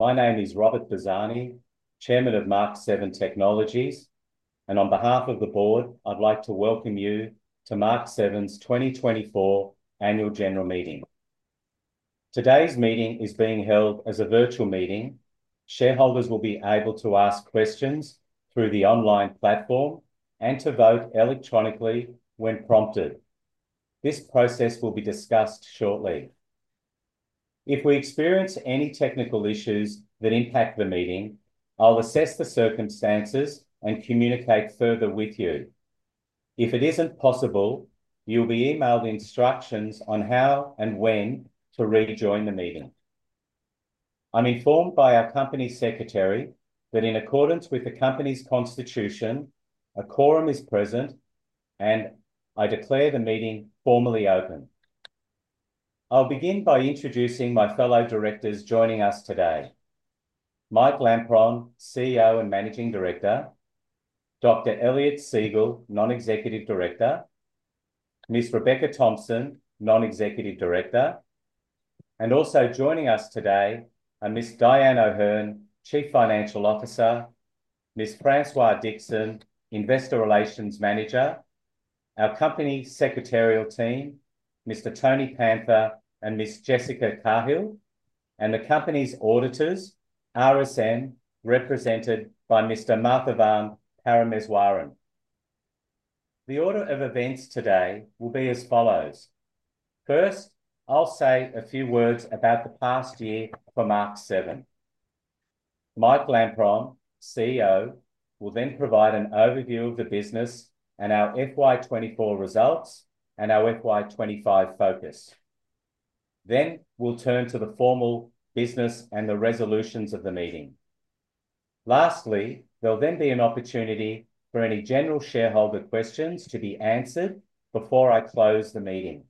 My name is Robert Bazzani, Chairman of Mach7 Technologies, and on behalf of the board, I'd like to welcome you to Mach7's 2024 Annual General Meeting. Today's meeting is being held as a virtual meeting. Shareholders will be able to ask questions through the online platform and to vote electronically when prompted. This process will be discussed shortly. If we experience any technical issues that impact the meeting, I'll assess the circumstances and communicate further with you. If it isn't possible, you'll be emailed instructions on how and when to rejoin the meeting. I'm informed by our company secretary that, in accordance with the company's constitution, a quorum is present, and I declare the meeting formally open. I'll begin by introducing my fellow directors joining us today: Mike Lampron, CEO and Managing Director; Dr. Eliot Siegel, Non-Executive Director; Ms. Rebecca Thompson, Non-Executive Director; and also joining us today are Ms. Dyan O'Herne, Chief Financial Officer, Ms. Françoise Dixon, Investor Relations Manager, our company secretarial team, Mr. Tony Panther and Ms. Jessica Cahill, and the company's auditors, RSM, represented by Mr. Mathavan Parameswaran. The order of events today will be as follows. First, I'll say a few words about the past year for Mach7. Mike Lampron, CEO, will then provide an overview of the business and our FY24 results and our FY25 focus. Then we'll turn to the formal business and the resolutions of the meeting. Lastly, there'll then be an opportunity for any general shareholder questions to be answered before I close the meeting.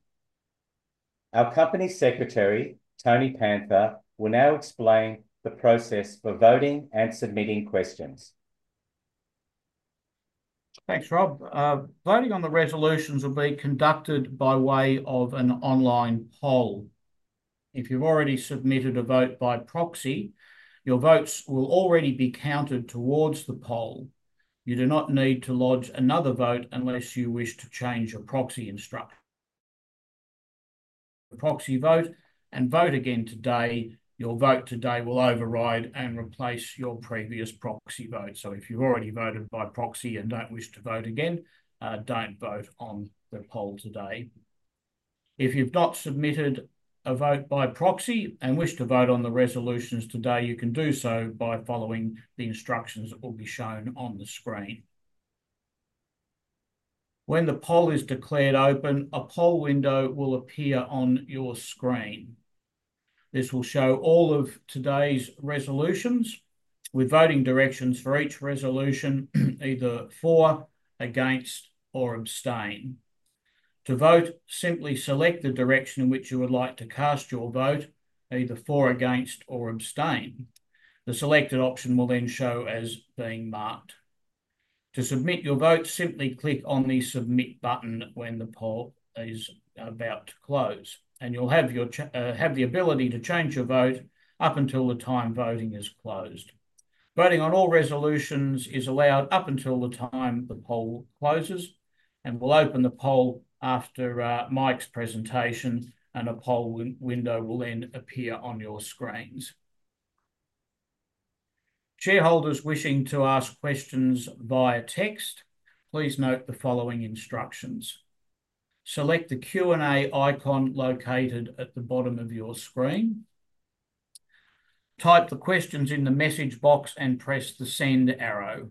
Our Company Secretary, Tony Panther, will now explain the process for voting and submitting questions. Thanks, Rob. Voting on the resolutions will be conducted by way of an online poll. If you've already submitted a vote by proxy, your votes will already be counted towards the poll. You do not need to lodge another vote unless you wish to change your proxy instructions. If you proxy vote and vote again today, your vote today will override and replace your previous proxy vote. So if you've already voted by proxy and don't wish to vote again, don't vote on the poll today. If you've not submitted a vote by proxy and wish to vote on the resolutions today, you can do so by following the instructions that will be shown on the screen. When the poll is declared open, a poll window will appear on your screen. This will show all of today's resolutions with voting directions for each resolution: either for, against, or abstain. To vote, simply select the direction in which you would like to cast your vote, either for, against, or abstain. The selected option will then show as being marked. To submit your vote, simply click on the submit button when the poll is about to close, and you'll have the ability to change your vote up until the time voting is closed. Voting on all resolutions is allowed up until the time the poll closes, and we'll open the poll after Mike's presentation, and a poll window will then appear on your screens. Shareholders wishing to ask questions via text, please note the following instructions. Select the Q&A icon located at the bottom of your screen. Type the questions in the message box and press the send arrow.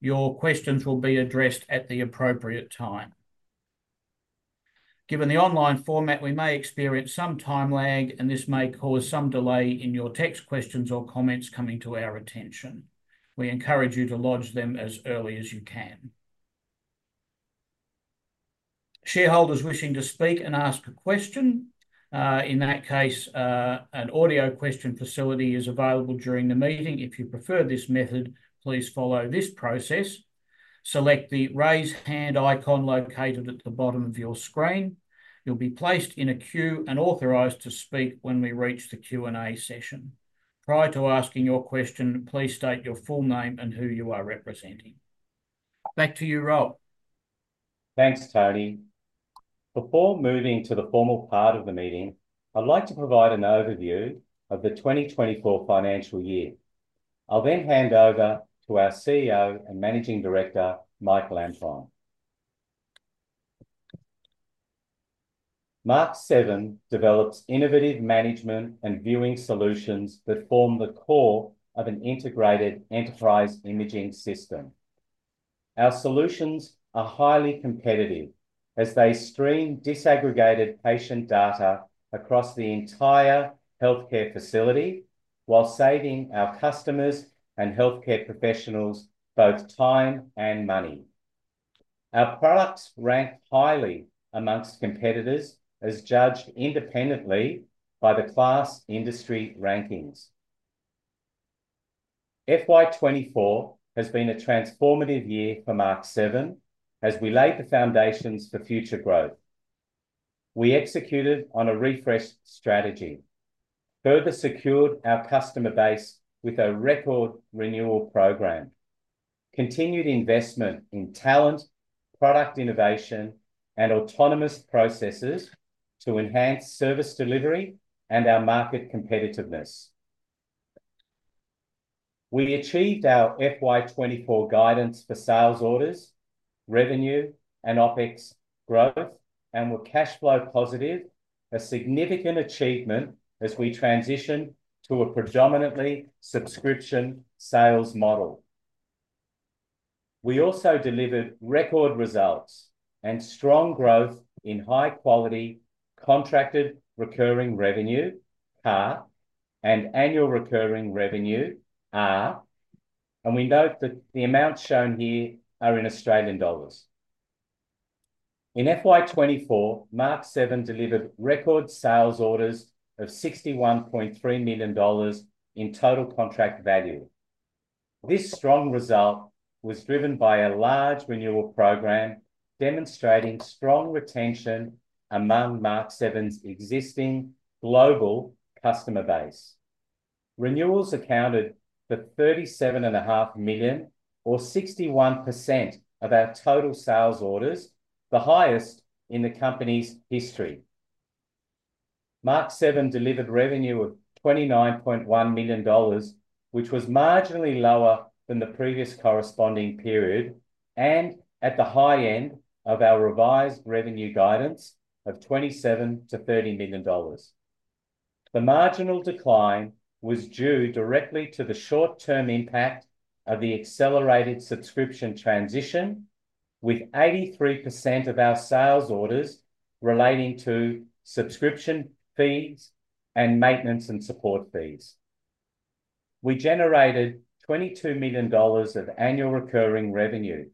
Your questions will be addressed at the appropriate time. Given the online format, we may experience some time lag, and this may cause some delay in your text questions or comments coming to our attention. We encourage you to lodge them as early as you can. Shareholders wishing to speak and ask a question, in that case, an audio question facility is available during the meeting. If you prefer this method, please follow this process. Select the raise hand icon located at the bottom of your screen. You'll be placed in a queue and authorized to speak when we reach the Q&A session. Prior to asking your question, please state your full name and who you are representing. Back to you, Rob. Thanks, Tony. Before moving to the formal part of the meeting, I'd like to provide an overview of the 2024 financial year. I'll then hand over to our CEO and Managing Director, Mike Lampron. Mach7 develops innovative management and viewing solutions that form the core of an integrated enterprise imaging system. Our solutions are highly competitive as they stream disaggregated patient data across the entire healthcare facility while saving our customers and healthcare professionals both time and money. Our products rank highly amongst competitors as judged independently by the KLAS industry rankings. FY 2024 has been a transformative year for Mach7 as we laid the foundations for future growth. We executed on a refreshed strategy, further secured our customer base with a record renewal program, continued investment in talent, product innovation, and autonomous processes to enhance service delivery and our market competitiveness. We achieved our FY 2024 guidance for sales orders, revenue, and OPEX growth and were cash flow positive, a significant achievement as we transitioned to a predominantly subscription sales model. We also delivered record results and strong growth in high-quality contracted recurring revenue, CARR, and annual recurring revenue, ARR, and we note that the amounts shown here are in Australian dollars. In FY 2024, Mach7 delivered record sales orders of 61.3 million dollars in total contract value. This strong result was driven by a large renewal program demonstrating strong retention among Mach7's existing global customer base. Renewals accounted for 37.5 million, or 61% of our total sales orders, the highest in the company's history. Mach7 delivered revenue of 29.1 million dollars, which was marginally lower than the previous corresponding period and at the high end of our revised revenue guidance of 27 million-30 million dollars. The marginal decline was due directly to the short-term impact of the accelerated subscription transition, with 83% of our sales orders relating to subscription fees and maintenance and support fees. We generated 22 million dollars of annual recurring revenue.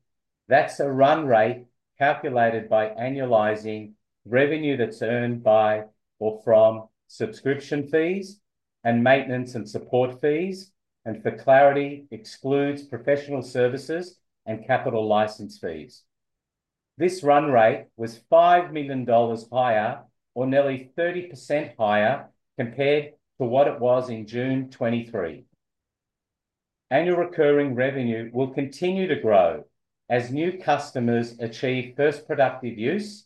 That's a run rate calculated by annualizing revenue that's earned by or from subscription fees and maintenance and support fees, and for clarity, excludes professional services and capital license fees. This run rate was 5 million dollars higher, or nearly 30% higher, compared to what it was in June 2023. Annual recurring revenue will continue to grow as new customers achieve first productive use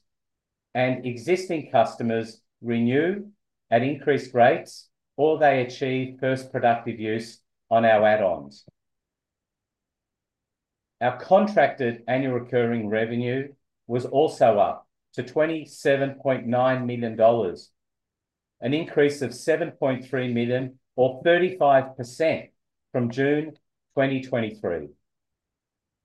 and existing customers renew at increased rates, or they achieve first productive use on our add-ons. Our contracted annual recurring revenue was also up to 27.9 million dollars, an increase of 7.3 million, or 35% from June 2023.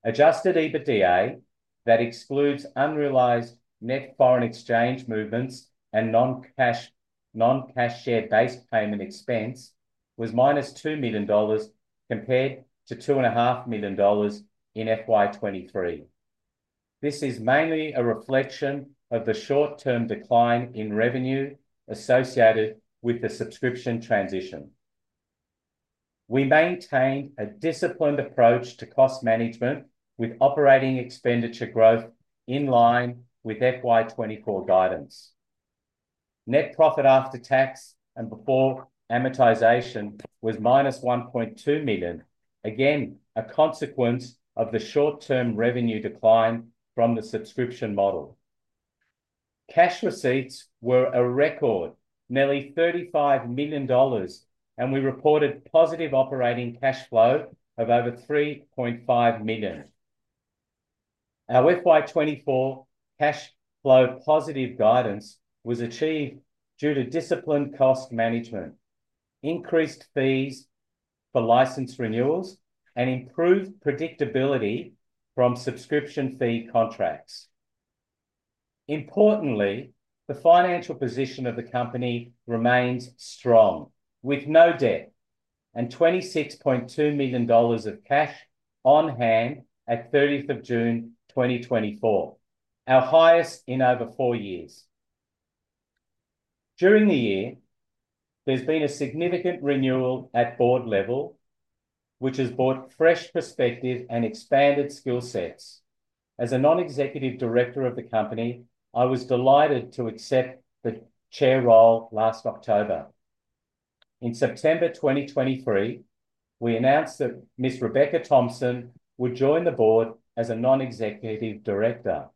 Adjusted EBITDA that excludes unrealized net foreign exchange movements and non-cash share-based payment expense was minus 2 million dollars compared to 2.5 million dollars in FY 2023. This is mainly a reflection of the short-term decline in revenue associated with the subscription transition. We maintained a disciplined approach to cost management with operating expenditure growth in line with FY 2024 guidance. Net profit after tax and before amortization was minus 1.2 million, again a consequence of the short-term revenue decline from the subscription model. Cash receipts were a record, nearly 35 million dollars, and we reported positive operating cash flow of over 3.5 million. Our FY 2024 cash flow positive guidance was achieved due to disciplined cost management, increased fees for license renewals, and improved predictability from subscription fee contracts. Importantly, the financial position of the company remains strong, with no debt and 26.2 million dollars of cash on hand at 30 June 2024, our highest in over four years. During the year, there's been a significant renewal at board level, which has brought fresh perspective and expanded skill sets. As a non-executive director of the company, I was delighted to accept the chair role last October. In September 2023, we announced that Ms. Rebecca Thompson would join the board as a non-executive director.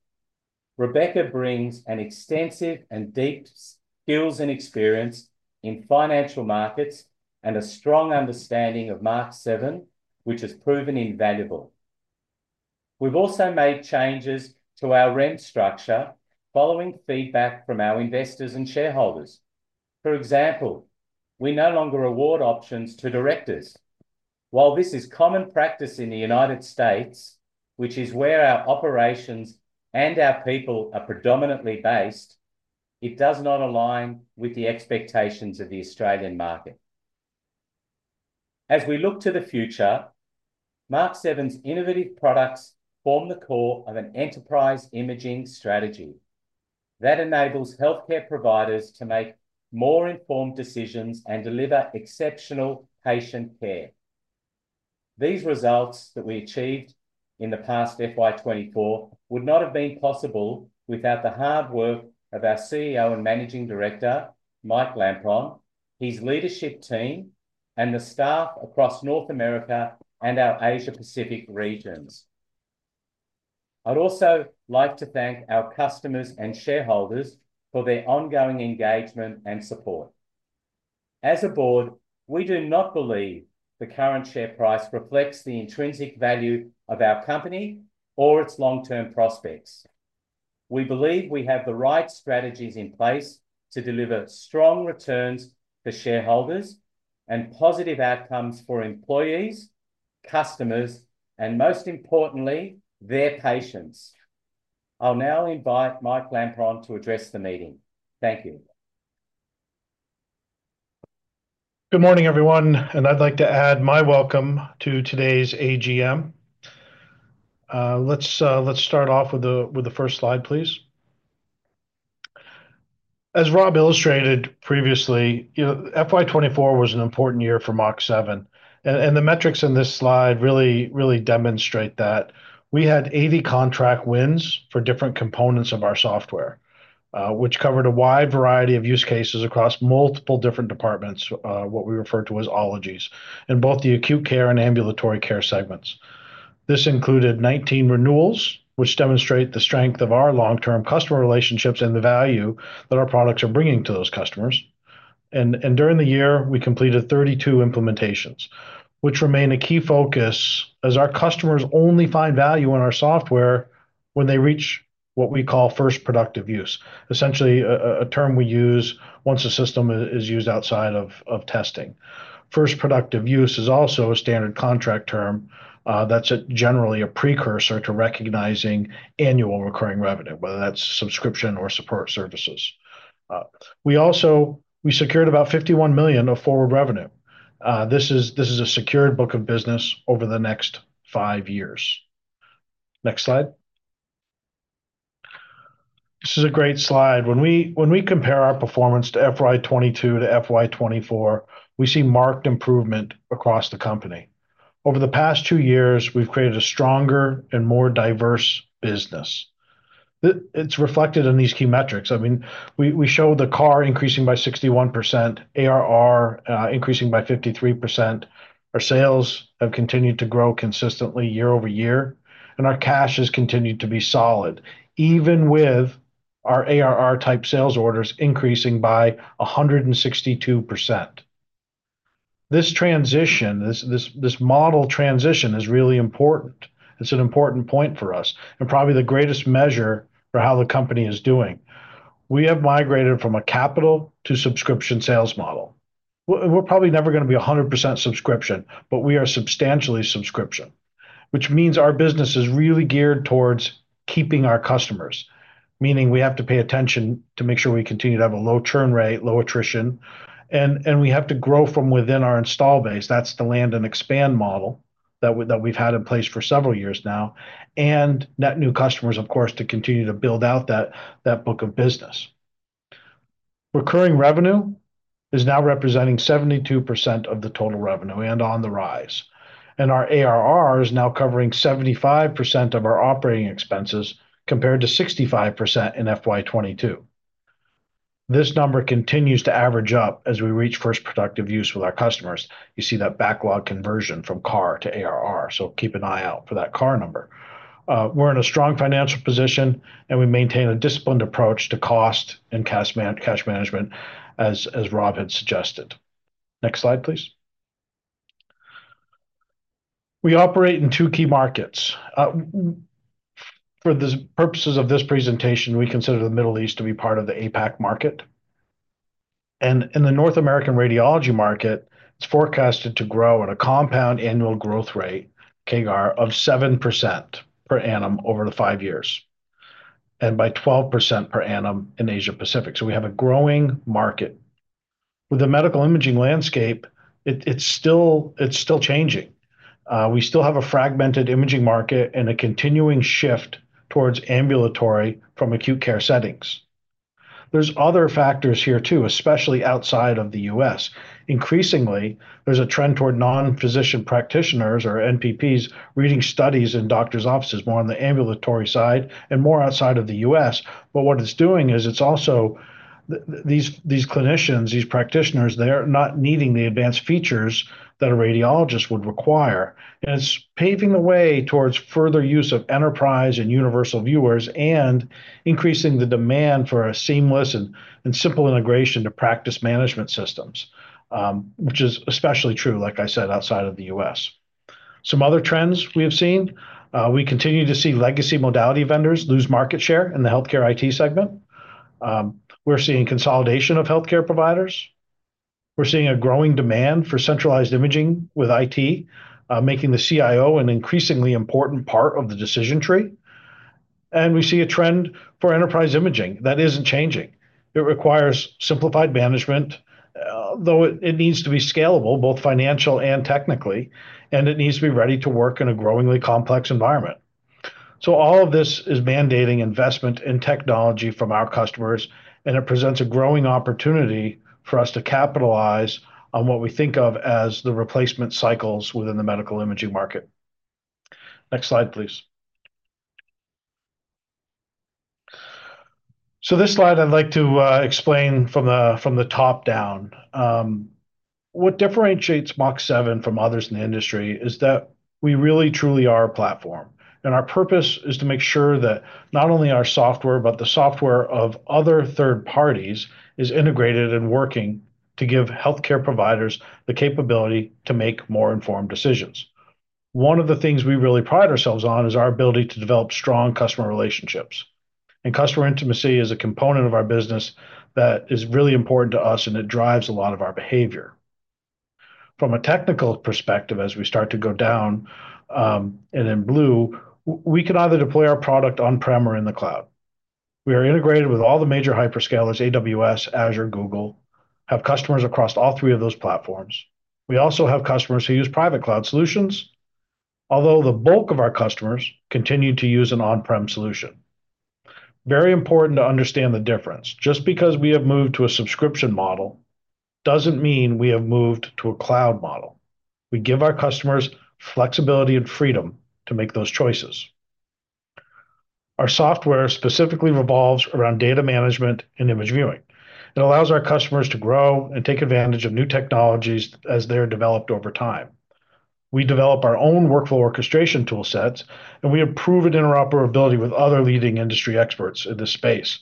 Rebecca brings an extensive and deep skills and experience in financial markets and a strong understanding of Mach7, which has proven invaluable. We've also made changes to our remuneration structure following feedback from our investors and shareholders. For example, we no longer award options to directors. While this is common practice in the United States, which is where our operations and our people are predominantly based, it does not align with the expectations of the Australian market. As we look to the future, Mach7's innovative products form the core of an enterprise imaging strategy that enables healthcare providers to make more informed decisions and deliver exceptional patient care. These results that we achieved in the past FY 2024 would not have been possible without the hard work of our CEO and Managing Director, Mike Lampron, his leadership team, and the staff across North America and our Asia-Pacific regions. I'd also like to thank our customers and shareholders for their ongoing engagement and support. As a board, we do not believe the current share price reflects the intrinsic value of our company or its long-term prospects. We believe we have the right strategies in place to deliver strong returns for shareholders and positive outcomes for employees, customers, and most importantly, their patients. I'll now invite Mike Lampron to address the meeting. Thank you. Good morning, everyone, and I'd like to add my welcome to today's AGM. Let's start off with the first slide, please. As Rob illustrated previously, FY 2024 was an important year for Mach7, and the metrics in this slide really demonstrate that. We had 80 contract wins for different components of our software, which covered a wide variety of use cases across multiple different departments, what we refer to as ologies, in both the acute care and ambulatory care segments. This included 19 renewals, which demonstrate the strength of our long-term customer relationships and the value that our products are bringing to those customers, and during the year, we completed 32 implementations, which remain a key focus as our customers only find value in our software when they reach what we call first productive use, essentially a term we use once a system is used outside of testing. First Productive Use is also a standard contract term that's generally a precursor to recognizing annual recurring revenue, whether that's subscription or support services. We also secured about 51 million of forward revenue. This is a secured book of business over the next five years. Next slide. This is a great slide. When we compare our performance to FY 2022 to FY 2024, we see marked improvement across the company. Over the past two years, we've created a stronger and more diverse business. It's reflected in these key metrics. I mean, we show the CARR increasing by 61%, ARR increasing by 53%. Our sales have continued to grow consistently year over year, and our cash has continued to be solid, even with our ARR-type sales orders increasing by 162%. This transition, this model transition, is really important. It's an important point for us and probably the greatest measure for how the company is doing. We have migrated from a capital to subscription sales model. We're probably never going to be 100% subscription, but we are substantially subscription, which means our business is really geared towards keeping our customers, meaning we have to pay attention to make sure we continue to have a low churn rate, low attrition, and we have to grow from within our installed base. That's the land and expand model that we've had in place for several years now, and net new customers, of course, to continue to build out that book of business. Recurring revenue is now representing 72% of the total revenue and on the rise, and our ARR is now covering 75% of our operating expenses compared to 65% in FY 2022. This number continues to average up as we reach first productive use with our customers. You see that backlog conversion from CARR to ARR, so keep an eye out for that CARR number. We're in a strong financial position, and we maintain a disciplined approach to cost and cash management, as Rob had suggested. Next slide, please. We operate in two key markets. For the purposes of this presentation, we consider the Middle East to be part of the APAC market. And in the North American radiology market, it's forecasted to grow at a compound annual growth rate, CAGR, of 7% per annum over the five years and by 12% per annum in Asia-Pacific. So we have a growing market. With the medical imaging landscape, it's still changing. We still have a fragmented imaging market and a continuing shift towards ambulatory from acute care settings. There's other factors here too, especially outside of the U.S. Increasingly, there's a trend toward non-physician practitioners or NPPs reading studies in doctors' offices, more on the ambulatory side and more outside of the U.S. But what it's doing is it's also these clinicians, these practitioners, they're not needing the advanced features that a radiologist would require. And it's paving the way towards further use of enterprise and universal viewers and increasing the demand for a seamless and simple integration to practice management systems, which is especially true, like I said, outside of the U.S. Some other trends we have seen, we continue to see legacy modality vendors lose market share in the healthcare IT segment. We're seeing consolidation of healthcare providers. We're seeing a growing demand for centralized imaging with IT, making the CIO an increasingly important part of the decision tree. We see a trend for enterprise imaging that isn't changing. It requires simplified management, though it needs to be scalable both financially and technically, and it needs to be ready to work in a growingly complex environment. All of this is mandating investment in technology from our customers, and it presents a growing opportunity for us to capitalize on what we think of as the replacement cycles within the medical imaging market. Next slide, please. This slide, I'd like to explain from the top down. What differentiates Mach7 from others in the industry is that we really truly are a platform, and our purpose is to make sure that not only our software, but the software of other third parties is integrated and working to give healthcare providers the capability to make more informed decisions. One of the things we really pride ourselves on is our ability to develop strong customer relationships and customer intimacy is a component of our business that is really important to us, and it drives a lot of our behavior. From a technical perspective, as we start to go down and in blue, we can either deploy our product on-prem or in the cloud. We are integrated with all the major hyperscalers, AWS, Azure, Google, have customers across all three of those platforms. We also have customers who use private cloud solutions, although the bulk of our customers continue to use an on-prem solution. Very important to understand the difference. Just because we have moved to a subscription model doesn't mean we have moved to a cloud model. We give our customers flexibility and freedom to make those choices. Our software specifically revolves around data management and image viewing. It allows our customers to grow and take advantage of new technologies as they're developed over time. We develop our own workflow orchestration toolsets, and we improve interoperability with other leading industry experts in this space.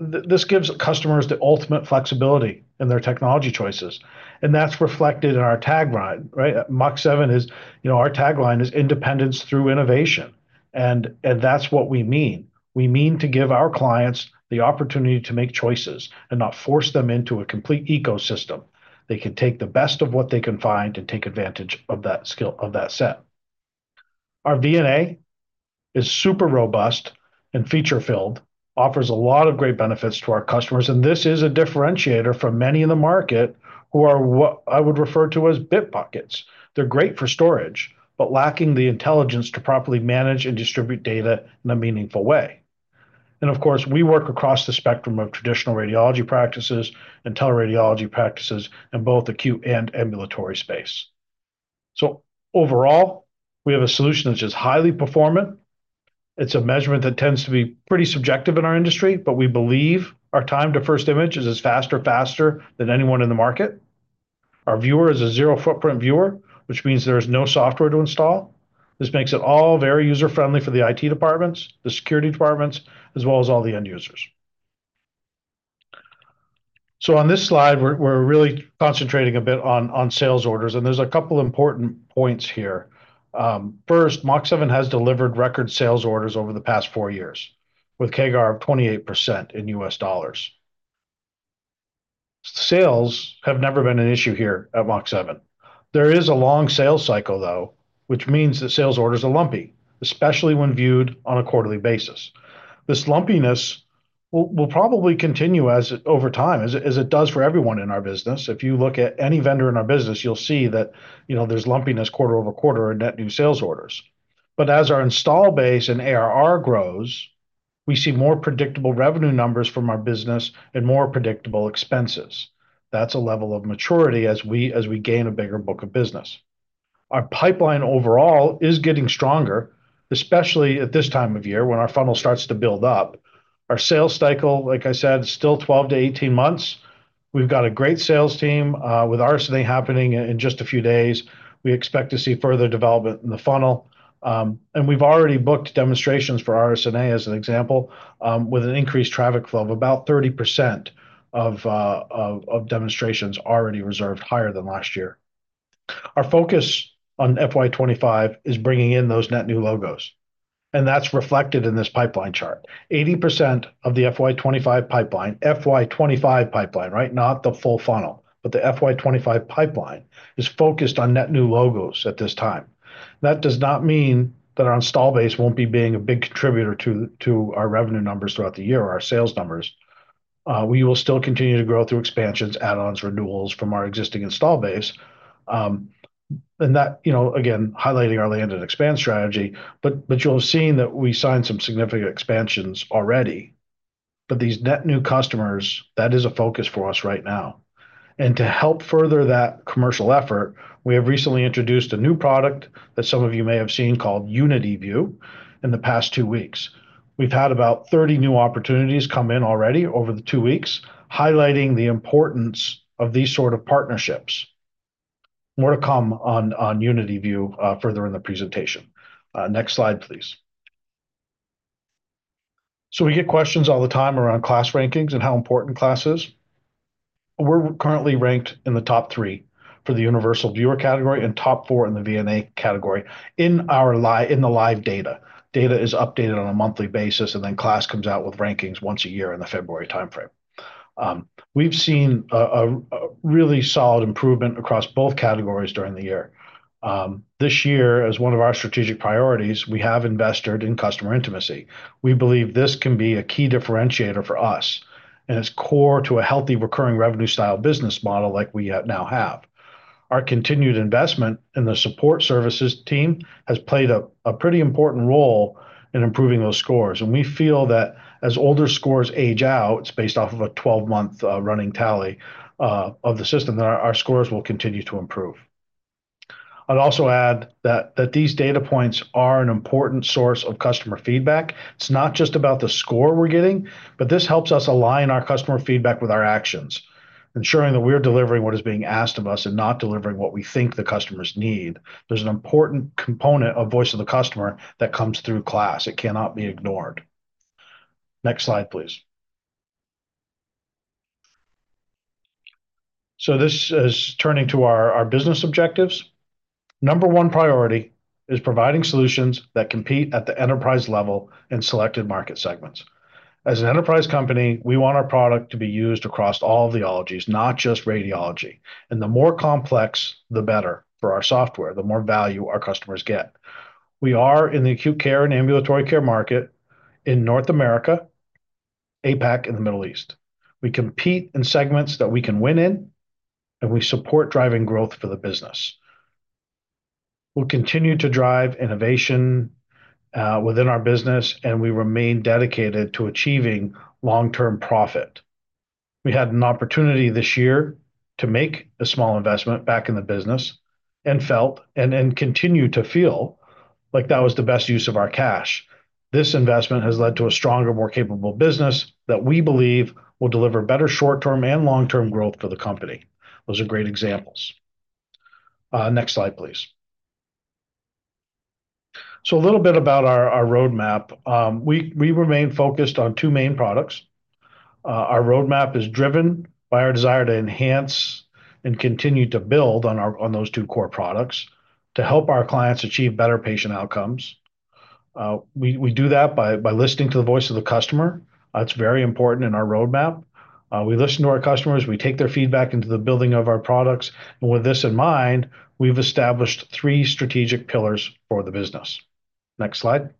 This gives customers the ultimate flexibility in their technology choices, and that's reflected in our tagline. Mach7's tagline is independence through innovation, and that's what we mean. We mean to give our clients the opportunity to make choices and not force them into a complete ecosystem. They can take the best of what they can find and take advantage of that set. Our VNA is super robust and feature-filled, offers a lot of great benefits to our customers, and this is a differentiator for many in the market who are what I would refer to as bit buckets. They're great for storage, but lacking the intelligence to properly manage and distribute data in a meaningful way, and of course, we work across the spectrum of traditional radiology practices and teleradiology practices in both acute and ambulatory space. So overall, we have a solution that's just highly performant. It's a measurement that tends to be pretty subjective in our industry, but we believe our time to first image is as fast or faster than anyone in the market. Our viewer is a zero-footprint viewer, which means there is no software to install. This makes it all very user-friendly for the IT departments, the security departments, as well as all the end users, so on this slide, we're really concentrating a bit on sales orders, and there's a couple of important points here. First, Mach7 has delivered record sales orders over the past four years, with CAGR of 28% in U.S. dollars. Sales have never been an issue here at Mach7. There is a long sales cycle, though, which means that sales orders are lumpy, especially when viewed on a quarterly basis. This lumpiness will probably continue over time, as it does for everyone in our business. If you look at any vendor in our business, you'll see that there's lumpiness quarter over quarter in net new sales orders. But as our install base and ARR grows, we see more predictable revenue numbers from our business and more predictable expenses. That's a level of maturity as we gain a bigger book of business. Our pipeline overall is getting stronger, especially at this time of year when our funnel starts to build up. Our sales cycle, like I said, is still 12 to 18 months. We've got a great sales team with RSNA happening in just a few days. We expect to see further development in the funnel, and we've already booked demonstrations for RSNA as an example, with an increased traffic flow of about 30% of demonstrations already reserved higher than last year. Our focus on FY 2025 is bringing in those net new logos, and that's reflected in this pipeline chart. 80% of the FY 2025 pipeline, FY 2025 pipeline, right? Not the full funnel, but the FY 2025 pipeline is focused on net new logos at this time. That does not mean that our install base won't be being a big contributor to our revenue numbers throughout the year or our sales numbers. We will still continue to grow through expansions, add-ons, renewals from our existing install base. And that, again, highlighting our land and expand strategy, but you'll have seen that we signed some significant expansions already. But these net new customers, that is a focus for us right now. And to help further that commercial effort, we have recently introduced a new product that some of you may have seen called UnityView in the past two weeks. We've had about 30 new opportunities come in already over the two weeks, highlighting the importance of these sort of partnerships. More to come on UnityView further in the presentation. Next slide, please. So we get questions all the time around KLAS rankings and how important KLAS is. We're currently ranked in the top three for the universal viewer category and top four in the VNA category in the live data. Data is updated on a monthly basis, and then KLAS comes out with rankings once a year in the February timeframe. We've seen a really solid improvement across both categories during the year. This year, as one of our strategic priorities, we have invested in customer intimacy. We believe this can be a key differentiator for us and is core to a healthy recurring revenue-style business model like we now have. Our continued investment in the support services team has played a pretty important role in improving those scores, and we feel that as older scores age out, it's based off of a 12-month running tally of the system, that our scores will continue to improve. I'd also add that these data points are an important source of customer feedback. It's not just about the score we're getting, but this helps us align our customer feedback with our actions, ensuring that we're delivering what is being asked of us and not delivering what we think the customers need. There's an important component of voice of the customer that comes through KLAS. It cannot be ignored. Next slide, please. So this is turning to our business objectives. Number one priority is providing solutions that compete at the enterprise level in selected market segments. As an enterprise company, we want our product to be used across all of the ologies, not just radiology. And the more complex, the better for our software, the more value our customers get. We are in the acute care and ambulatory care market in North America, APAC, and the Middle East. We compete in segments that we can win in, and we support driving growth for the business. We'll continue to drive innovation within our business, and we remain dedicated to achieving long-term profit. We had an opportunity this year to make a small investment back in the business and felt and continue to feel like that was the best use of our cash. This investment has led to a stronger, more capable business that we believe will deliver better short-term and long-term growth for the company. Those are great examples. Next slide, please. So a little bit about our roadmap. We remain focused on two main products. Our roadmap is driven by our desire to enhance and continue to build on those two core products to help our clients achieve better patient outcomes. We do that by listening to the voice of the customer. That's very important in our roadmap. We listen to our customers. We take their feedback into the building of our products. And with this in mind, we've established three strategic pillars for the business. Next slide.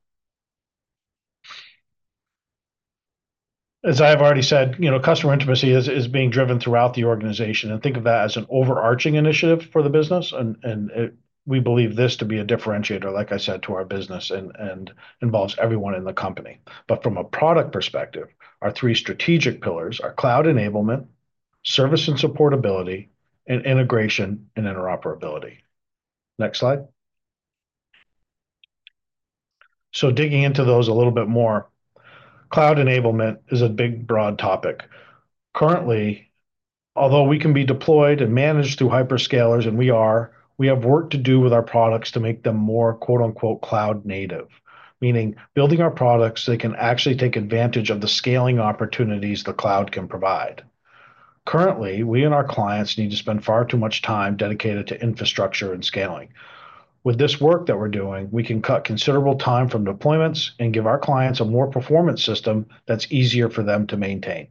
As I have already said, customer intimacy is being driven throughout the organization. And think of that as an overarching initiative for the business. And we believe this to be a differentiator, like I said, to our business and involves everyone in the company. But from a product perspective, our three strategic pillars are cloud enablement, service and supportability, and integration and interoperability. Next slide. So digging into those a little bit more, cloud enablement is a big, broad topic. Currently, although we can be deployed and managed through hyperscalers, and we are, we have work to do with our products to make them more "cloud native," meaning building our products so they can actually take advantage of the scaling opportunities the cloud can provide. Currently, we and our clients need to spend far too much time dedicated to infrastructure and scaling. With this work that we're doing, we can cut considerable time from deployments and give our clients a more performant system that's easier for them to maintain.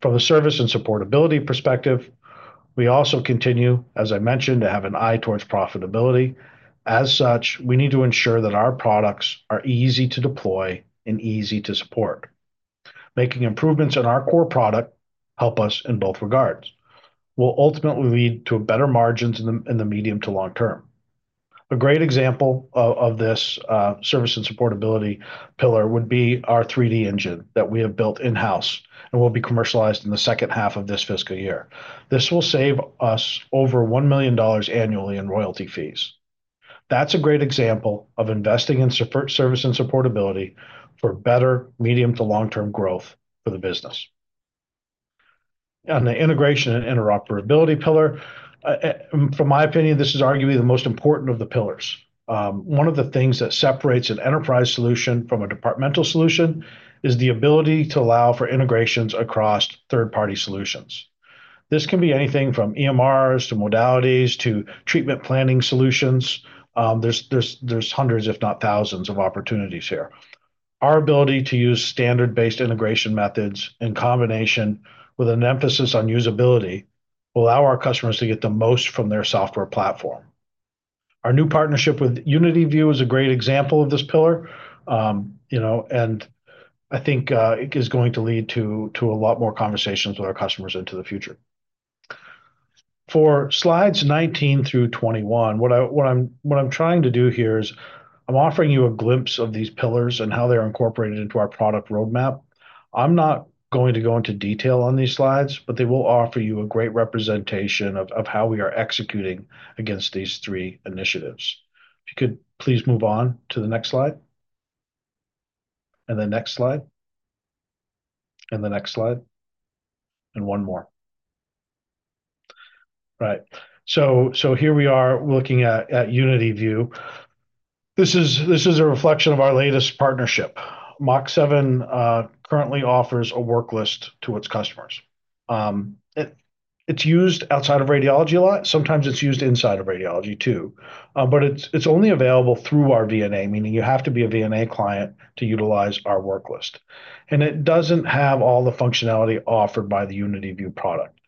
From a service and supportability perspective, we also continue, as I mentioned, to have an eye towards profitability. As such, we need to ensure that our products are easy to deploy and easy to support. Making improvements in our core product helps us in both regards. We'll ultimately lead to better margins in the medium to long term. A great example of this service and supportability pillar would be our 3D engine that we have built in-house and will be commercialized in the second half of this fiscal year. This will save us over 1 million dollars annually in royalty fees. That's a great example of investing in service and supportability for better medium to long-term growth for the business. On the integration and interoperability pillar, from my opinion, this is arguably the most important of the pillars. One of the things that separates an enterprise solution from a departmental solution is the ability to allow for integrations across third-party solutions. This can be anything from EMRs to modalities to treatment planning solutions. There's hundreds, if not thousands, of opportunities here. Our ability to use standard-based integration methods in combination with an emphasis on usability will allow our customers to get the most from their software platform. Our new partnership with UnityView is a great example of this pillar, and I think it is going to lead to a lot more conversations with our customers into the future. For slides 19 through 21, what I'm trying to do here is I'm offering you a glimpse of these pillars and how they're incorporated into our product roadmap. I'm not going to go into detail on these slides, but they will offer you a great representation of how we are executing against these three initiatives. If you could please move on to the next slide, and the next slide, and the next slide, and one more. Right, so here we are looking at UnityView. This is a reflection of our latest partnership. Mach7 currently offers a worklist to its customers. It's used outside of radiology a lot. Sometimes it's used inside of radiology too, but it's only available through our VNA, meaning you have to be a VNA client to utilize our worklist, and it doesn't have all the functionality offered by the UnityView product.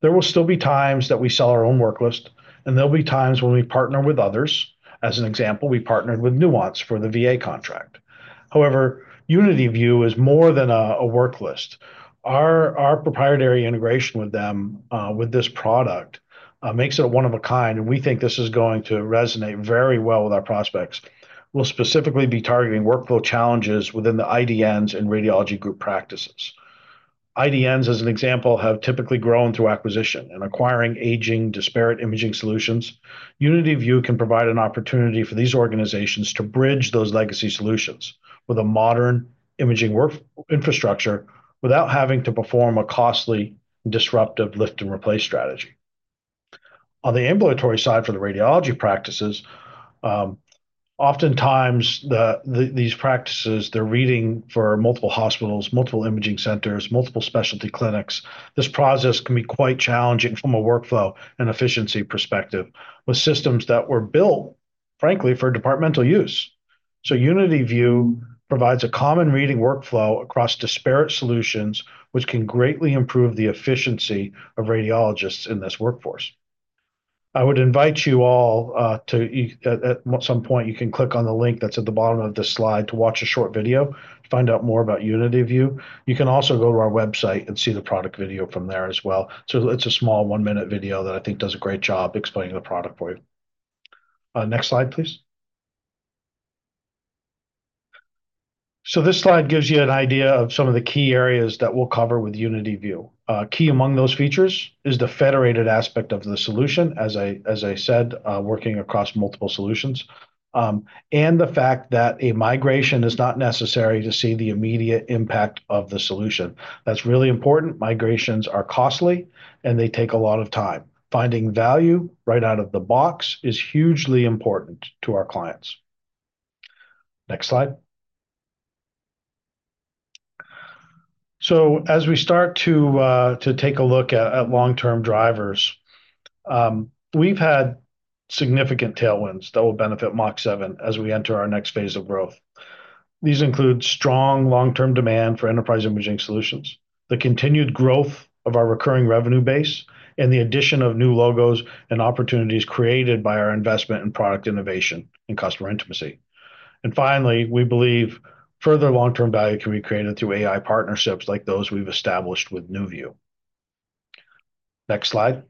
There will still be times that we sell our own worklist, and there'll be times when we partner with others. As an example, we partnered with Nuance for the VA contract. However, UnityView is more than a worklist. Our proprietary integration with them with this product makes it one of a kind, and we think this is going to resonate very well with our prospects. We'll specifically be targeting workflow challenges within the IDNs and radiology group practices. IDNs, as an example, have typically grown through acquisition and acquiring aging disparate imaging solutions. UnityView can provide an opportunity for these organizations to bridge those legacy solutions with a modern imaging work infrastructure without having to perform a costly, disruptive lift-and-replace strategy. On the ambulatory side for the radiology practices, oftentimes these practices, they're reading for multiple hospitals, multiple imaging centers, multiple specialty clinics. This process can be quite challenging from a workflow and efficiency perspective with systems that were built, frankly, for departmental use. So UnityView provides a common reading workflow across disparate solutions, which can greatly improve the efficiency of radiologists in this workforce. I would invite you all to, at some point, you can click on the link that's at the bottom of this slide to watch a short video to find out more about UnityView. You can also go to our website and see the product video from there as well. So it's a small one-minute video that I think does a great job explaining the product for you. Next slide, please. So this slide gives you an idea of some of the key areas that we'll cover with UnityView. Key among those features is the federated aspect of the solution, as I said, working across multiple solutions, and the fact that a migration is not necessary to see the immediate impact of the solution. That's really important. Migrations are costly, and they take a lot of time. Finding value right out of the box is hugely important to our clients. Next slide. So as we start to take a look at long-term drivers, we've had significant tailwinds that will benefit Mach7 as we enter our next phase of growth. These include strong long-term demand for enterprise imaging solutions, the continued growth of our recurring revenue base, and the addition of new logos and opportunities created by our investment in product innovation and customer intimacy. And finally, we believe further long-term value can be created through AI partnerships like those we've established with Nuance. Next slide.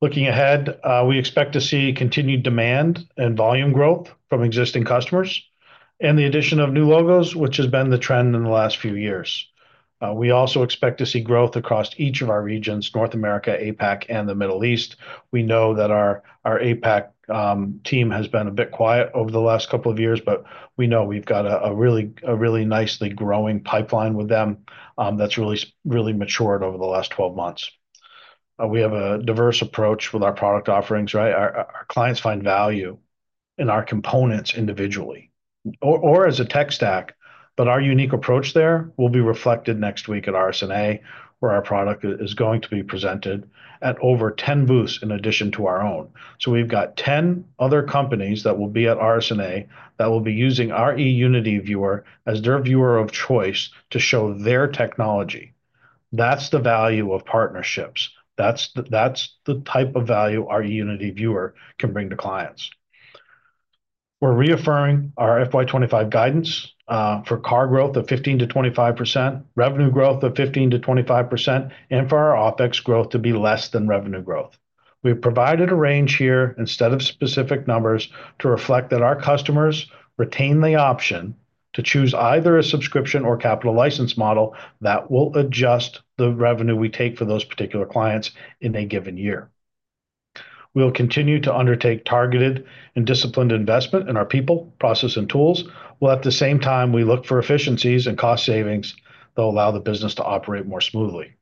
Looking ahead, we expect to see continued demand and volume growth from existing customers and the addition of new logos, which has been the trend in the last few years. We also expect to see growth across each of our regions: North America, APAC, and the Middle East. We know that our APAC team has been a bit quiet over the last couple of years, but we know we've got a really nicely growing pipeline with them that's really matured over the last 12 months. We have a diverse approach with our product offerings, right? Our clients find value in our components individually or as a tech stack, but our unique approach there will be reflected next week at RSNA where our product is going to be presented at over 10 booths in addition to our own. So we've got 10 other companies that will be at RSNA that will be using our eUnity as their viewer of choice to show their technology. That's the value of partnerships. That's the type of value our eUnity can bring to clients. We're reaffirming our FY 2025 guidance for CARR growth of 15%-25%, revenue growth of 15%-25%, and for our OPEX growth to be less than revenue growth. We've provided a range here instead of specific numbers to reflect that our customers retain the option to choose either a subscription or capital license model that will adjust the revenue we take for those particular clients in a given year. We'll continue to undertake targeted and disciplined investment in our people, process, and tools, while at the same time, we look for efficiencies and cost savings that will allow the business to operate more smoothly.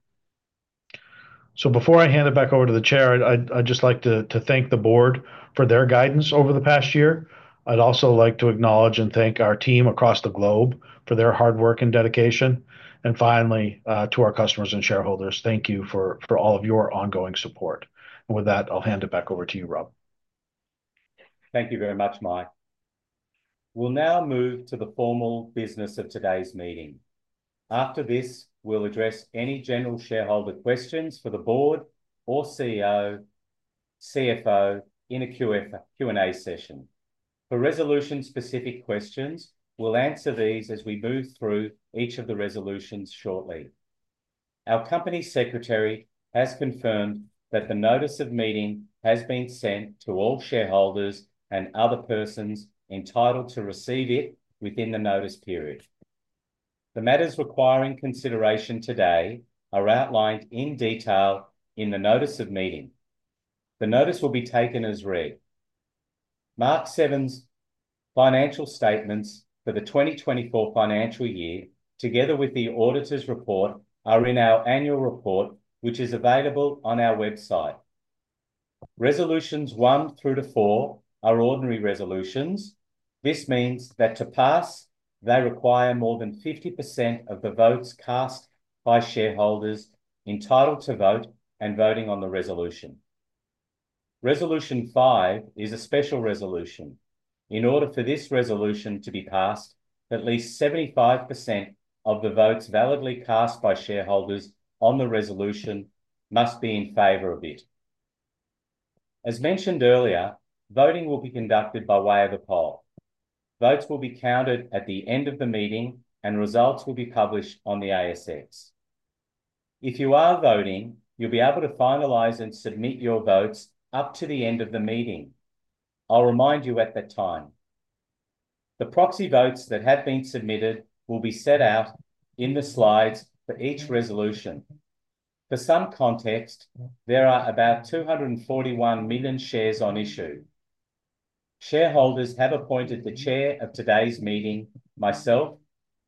So before I hand it back over to the chair, I'd just like to thank the board for their guidance over the past year. I'd also like to acknowledge and thank our team across the globe for their hard work and dedication. And finally, to our customers and shareholders, thank you for all of your ongoing support. And with that, I'll hand it back over to you, Rob. Thank you very much, Mike. We'll now move to the formal business of today's meeting. After this, we'll address any general shareholder questions for the board or CEO, CFO in a Q&A session. For resolution-specific questions, we'll answer these as we move through each of the resolutions shortly. Our company secretary has confirmed that the notice of meeting has been sent to all shareholders and other persons entitled to receive it within the notice period. The matters requiring consideration today are outlined in detail in the notice of meeting. The notice will be taken as read. Mach7's financial statements for the 2024 financial year, together with the auditor's report, are in our annual report, which is available on our website. Resolutions 1 through to 4 are ordinary resolutions. This means that to pass, they require more than 50% of the votes cast by shareholders entitled to vote and voting on the resolution. Resolution 5 is a special resolution. In order for this resolution to be passed, at least 75% of the votes validly cast by shareholders on the resolution must be in favor of it. As mentioned earlier, voting will be conducted by way of a poll. Votes will be counted at the end of the meeting, and results will be published on the ASX. If you are voting, you'll be able to finalize and submit your votes up to the end of the meeting. I'll remind you at that time. The proxy votes that have been submitted will be set out in the slides for each resolution. For some context, there are about 241 million shares on issue. Shareholders have appointed the chair of today's meeting, myself,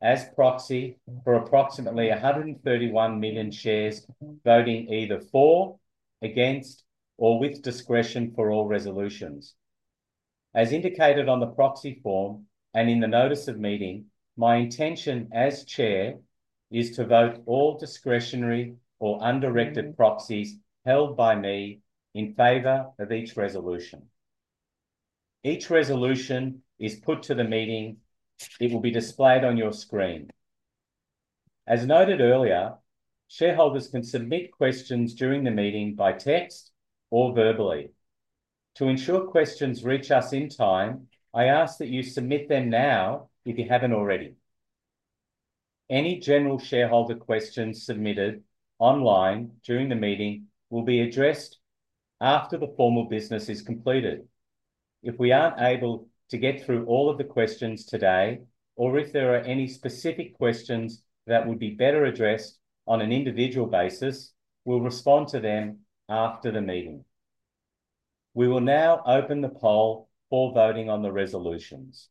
as proxy for approximately 131 million shares voting either for, against, or with discretion for all resolutions. As indicated on the proxy form and in the notice of meeting, my intention as chair is to vote all discretionary or undirected proxies held by me in favor of each resolution. Each resolution is put to the meeting. It will be displayed on your screen. As noted earlier, shareholders can submit questions during the meeting by text or verbally. To ensure questions reach us in time, I ask that you submit them now if you haven't already. Any general shareholder questions submitted online during the meeting will be addressed after the formal business is completed. If we aren't able to get through all of the questions today, or if there are any specific questions that would be better addressed on an individual basis, we'll respond to them after the meeting. We will now open the poll for voting on the resolutions.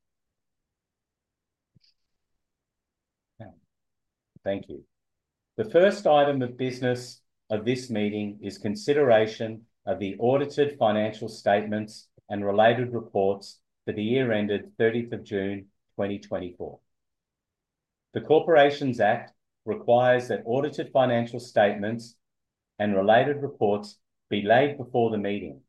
Thank you. The first item of business of this meeting is consideration of the audited financial statements and related reports for the year ended 30th of June, 2024. The Corporations Act requires that audited financial statements and related reports be laid before the meeting.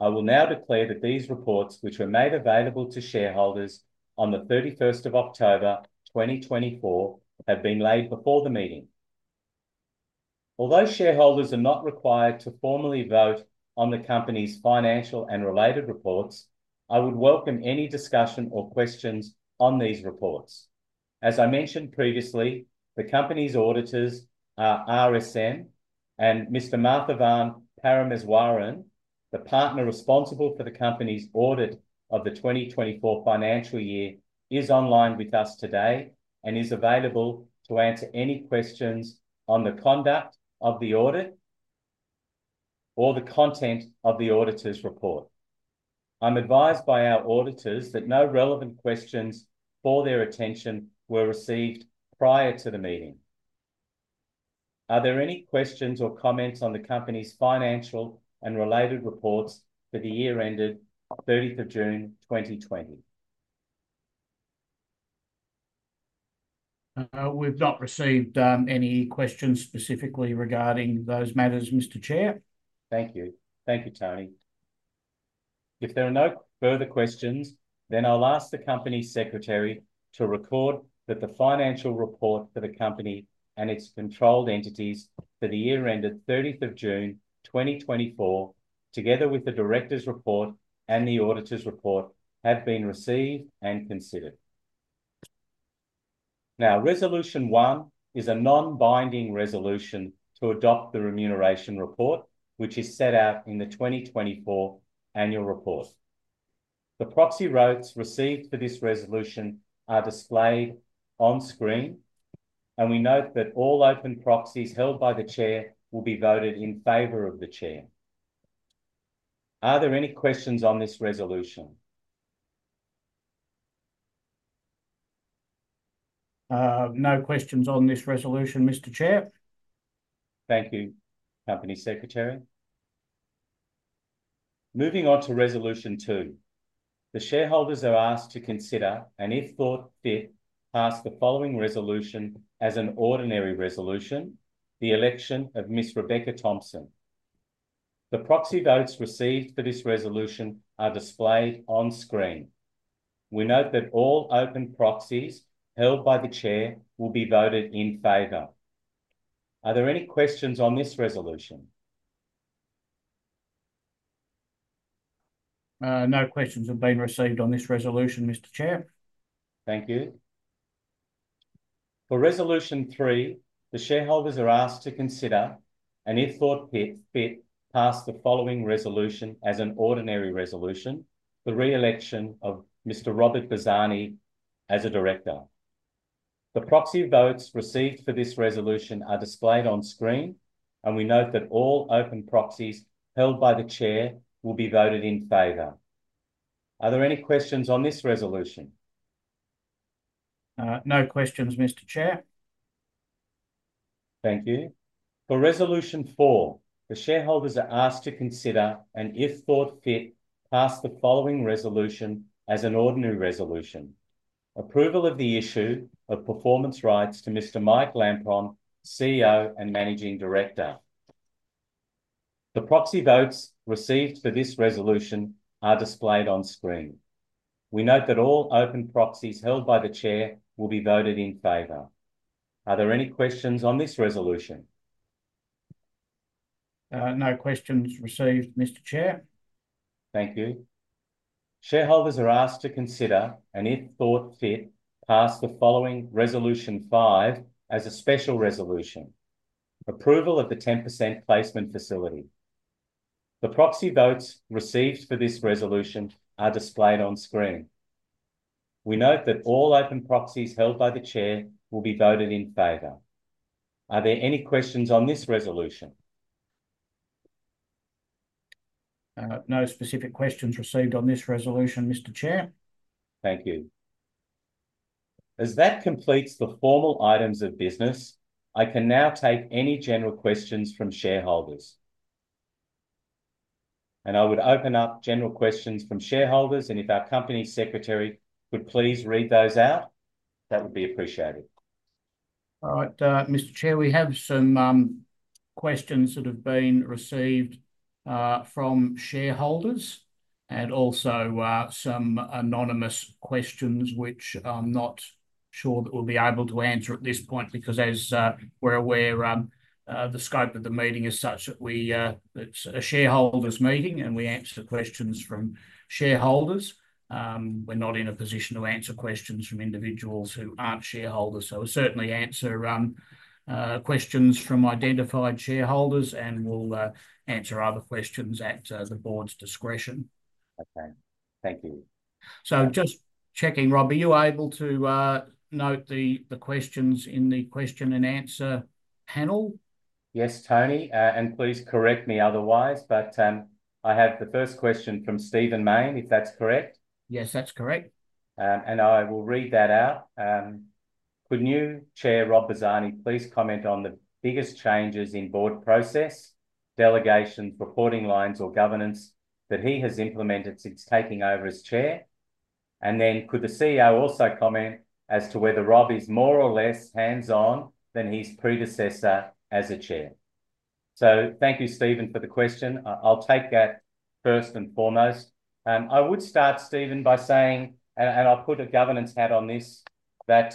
I will now declare that these reports, which were made available to shareholders on the 31st of October, 2024, have been laid before the meeting. Although shareholders are not required to formally vote on the company's financial and related reports, I would welcome any discussion or questions on these reports. As I mentioned previously, the company's auditors are RSM and Mr. Mathavan Parameswaran, the partner responsible for the company's audit of the 2024 financial year, is online with us today and is available to answer any questions on the conduct of the audit or the content of the auditor's report. I'm advised by our auditors that no relevant questions for their attention were received prior to the meeting. Are there any questions or comments on the company's financial and related reports for the year ended 30th of June, 2020? We've not received any questions specifically regarding those matters, Mr. Chair. Thank you. Thank you, Tony. If there are no further questions, then I'll ask the company secretary to record that the financial report for the company and its controlled entities for the year ended 30th of June, 2024, together with the director's report and the auditor's report, have been received and considered. Now, Resolution 1 is a non-binding resolution to adopt the remuneration report, which is set out in the 2024 annual report. The proxy votes received for this resolution are displayed on screen, and we note that all open proxies held by the chair will be voted in favor of the chair. Are there any questions on this resolution? No questions on this resolution, Mr. Chair. Thank you, company secretary. Moving on to Resolution 2. The shareholders are asked to consider and, if thought fit, pass the following resolution as an ordinary resolution: the election of Miss Rebecca Thompson. The proxy votes received for this resolution are displayed on screen. We note that all open proxies held by the chair will be voted in favor. Are there any questions on this resolution? No questions have been received on this resolution, Mr. Chair. Thank you. For Resolution 3, the shareholders are asked to consider and, if thought fit, pass the following resolution as an ordinary resolution: the re-election of Mr. Robert Bazzani as a director. The proxy votes received for this resolution are displayed on screen, and we note that all open proxies held by the chair will be voted in favor. Are there any questions on this resolution? No questions, Mr. Chair. Thank you. For Resolution 4, the shareholders are asked to consider and, if thought fit, pass the following resolution as an ordinary resolution: approval of the issue of performance rights to Mr. Mike Lampron, CEO and Managing Director. The proxy votes received for this resolution are displayed on screen. We note that all open proxies held by the chair will be voted in favor. Are there any questions on this resolution? No questions received, Mr. Chair. Thank you. Shareholders are asked to consider and, if thought fit, pass the following Resolution 5 as a special resolution: approval of the 10% placement facility. The proxy votes received for this resolution are displayed on screen. We note that all open proxies held by the chair will be voted in favor. Are there any questions on this resolution? No specific questions received on this resolution, Mr. Chair. Thank you. As that completes the formal items of business, I can now take any general questions from shareholders. And I would open up general questions from shareholders. And if our company secretary could please read those out, that would be appreciated. All right, Mr. Chair, we have some questions that have been received from shareholders and also some anonymous questions, which I'm not sure that we'll be able to answer at this point because, as we're aware, the scope of the meeting is such that it's a shareholders' meeting and we answer questions from shareholders. We're not in a position to answer questions from individuals who aren't shareholders. So we'll certainly answer questions from identified shareholders and we'll answer other questions at the board's discretion. Okay. Thank you. So just checking, Rob, are you able to note the questions in the question and answer panel? Yes, Tony. And please correct me otherwise, but I have the first question from Stephen Mayne, if that's correct. Yes, that's correct. And I will read that out. Could new Chair Rob Bazzani please comment on the biggest changes in board process, delegations, reporting lines, or governance that he has implemented since taking over as chair? And then could the CEO also comment as to whether Rob is more or less hands-on than his predecessor as a chair? Thank you, Stephen, for the question. I'll take that first and foremost. I would start, Stephen, by saying, and I'll put a governance hat on this, that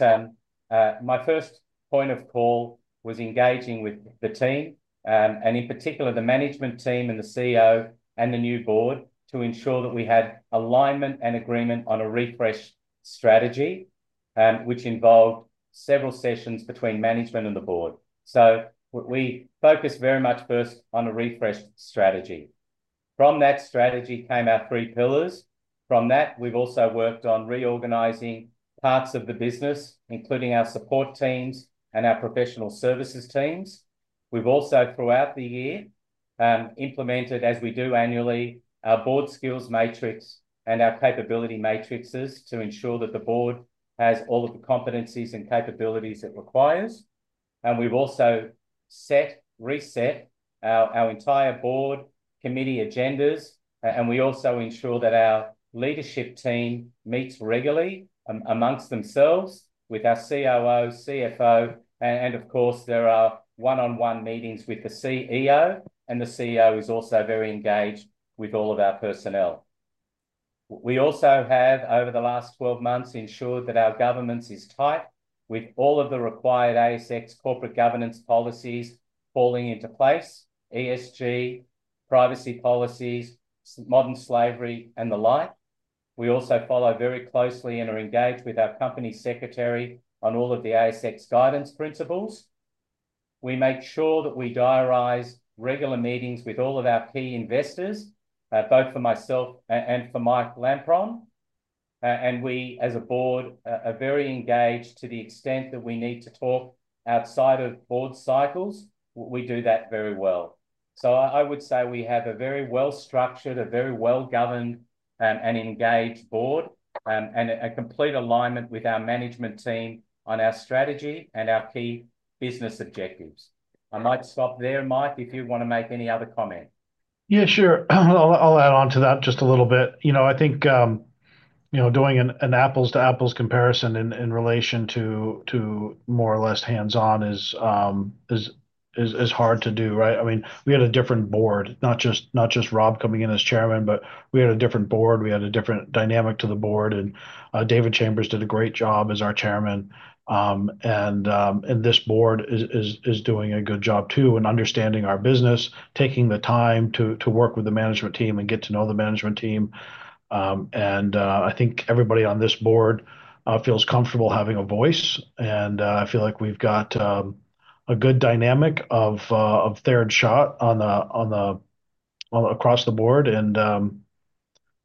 my first point of call was engaging with the team, and in particular, the management team and the CEO and the new board, to ensure that we had alignment and agreement on a refresh strategy, which involved several sessions between management and the board. We focused very much first on a refresh strategy. From that strategy came our three pillars. From that, we've also worked on reorganizing parts of the business, including our support teams and our professional services teams. We've also, throughout the year, implemented, as we do annually, our board skills matrix and our capability matrixes to ensure that the board has all of the competencies and capabilities it requires. And we've also set, reset our entire board committee agendas. And we also ensure that our leadership team meets regularly among themselves with our COO, CFO, and of course, there are one-on-one meetings with the CEO, and the CEO is also very engaged with all of our personnel. We also have, over the last 12 months, ensured that our governance is tight with all of the required ASX corporate governance policies falling into place: ESG, privacy policies, modern slavery, and the like. We also follow very closely and are engaged with our company secretary on all of the ASX guidance principles. We make sure that we diarize regular meetings with all of our key investors, both for myself and for Mike Lampron, and we, as a board, are very engaged to the extent that we need to talk outside of board cycles. We do that very well, so I would say we have a very well-structured, a very well-governed, and engaged board, and a complete alignment with our management team on our strategy and our key business objectives. I might stop there, Mike, if you want to make any other comment. Yeah, sure. I'll add on to that just a little bit. You know, I think, you know, doing an apples-to-apples comparison in relation to more or less hands-on is hard to do, right? I mean, we had a different board, not just Rob coming in as chairman, but we had a different board. We had a different dynamic to the board, and David Chambers did a great job as our chairman. This board is doing a good job too, and understanding our business, taking the time to work with the management team and get to know the management team. I think everybody on this board feels comfortable having a voice. I feel like we've got a good dynamic of shared thought across the board.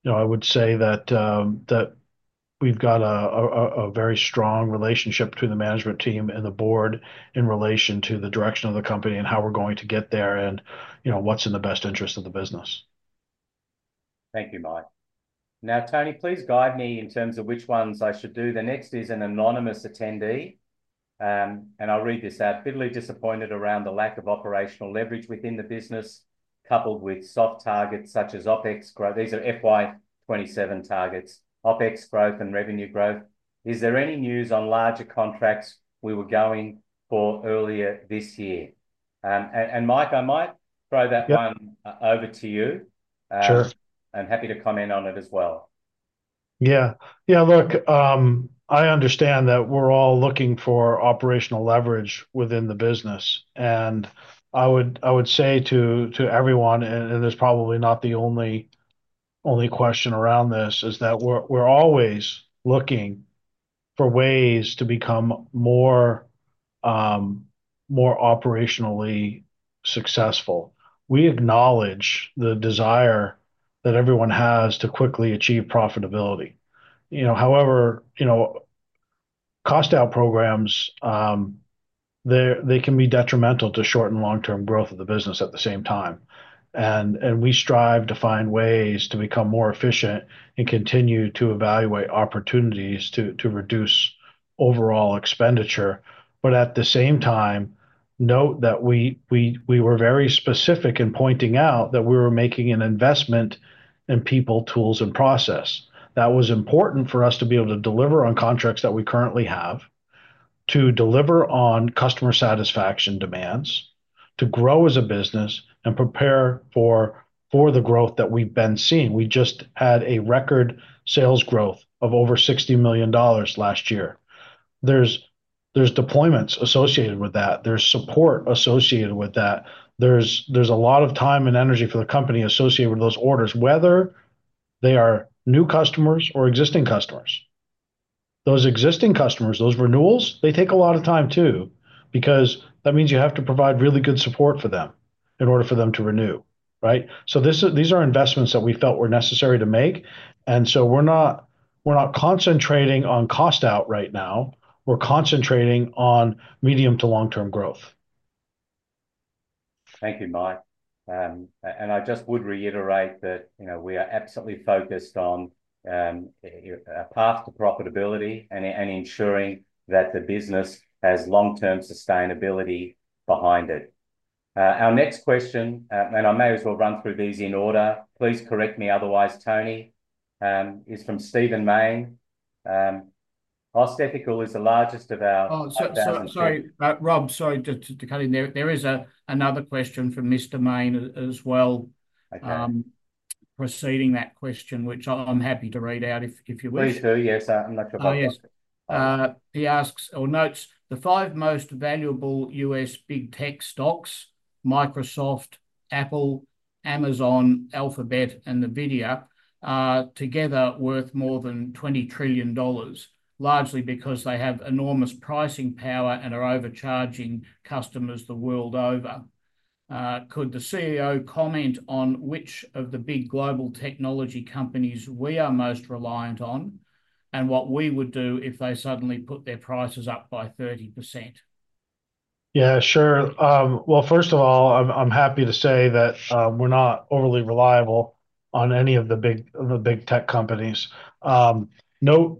I would say that we've got a very strong relationship between the management team and the board in relation to the direction of the company and how we're going to get there and what's in the best interest of the business. Thank you, Mike. Now, Tony, please guide me in terms of which ones I should do. The next is an anonymous attendee, and I'll read this out. Bitterly disappointed around the lack of operational leverage within the business, coupled with soft targets such as OPEX growth. These are FY 2027 targets, OPEX growth and revenue growth. Is there any news on larger contracts we were going for earlier this year? And Mike, I might throw that one over to you. Sure. I'm happy to comment on it as well. Yeah. Yeah. Look, I understand that we're all looking for operational leverage within the business, and I would say to everyone, and this is probably not the only question around this, is that we're always looking for ways to become more operationally successful. We acknowledge the desire that everyone has to quickly achieve profitability. However, cost-out programs, they can be detrimental to short and long-term growth of the business at the same time. And we strive to find ways to become more efficient and continue to evaluate opportunities to reduce overall expenditure. But at the same time, note that we were very specific in pointing out that we were making an investment in people, tools, and process. That was important for us to be able to deliver on contracts that we currently have, to deliver on customer satisfaction demands, to grow as a business, and prepare for the growth that we've been seeing. We just had a record sales growth of over 60 million dollars last year. There's deployments associated with that. There's support associated with that. There's a lot of time and energy for the company associated with those orders, whether they are new customers or existing customers. Those existing customers, those renewals, they take a lot of time too because that means you have to provide really good support for them in order for them to renew, right? So these are investments that we felt were necessary to make. And so we're not concentrating on cost-out right now. We're concentrating on medium to long-term growth. Thank you, Mike. And I just would reiterate that we are absolutely focused on a path to profitability and ensuring that the business has long-term sustainability behind it. Our next question, and I may as well run through these in order. Please correct me otherwise, Tony, is from Stephen Mayne. Australian Ethical is the largest of our— Sorry, Rob, sorry to cut in there. There is another question from Mr. Mayne as well, preceding that question, which I'm happy to read out if you wish. Please do. Yes, I'm not sure if I've got this. He asks or notes, "The five most valuable U.S. big tech stocks: Microsoft, Apple, Amazon, Alphabet, and Nvidia, together worth more than $20 trillion, largely because they have enormous pricing power and are overcharging customers the world over. Could the CEO comment on which of the big global technology companies we are most reliant on and what we would do if they suddenly put their prices up by 30%?" Yeah, sure. Well, first of all, I'm happy to say that we're not overly reliant on any of the big tech companies. Note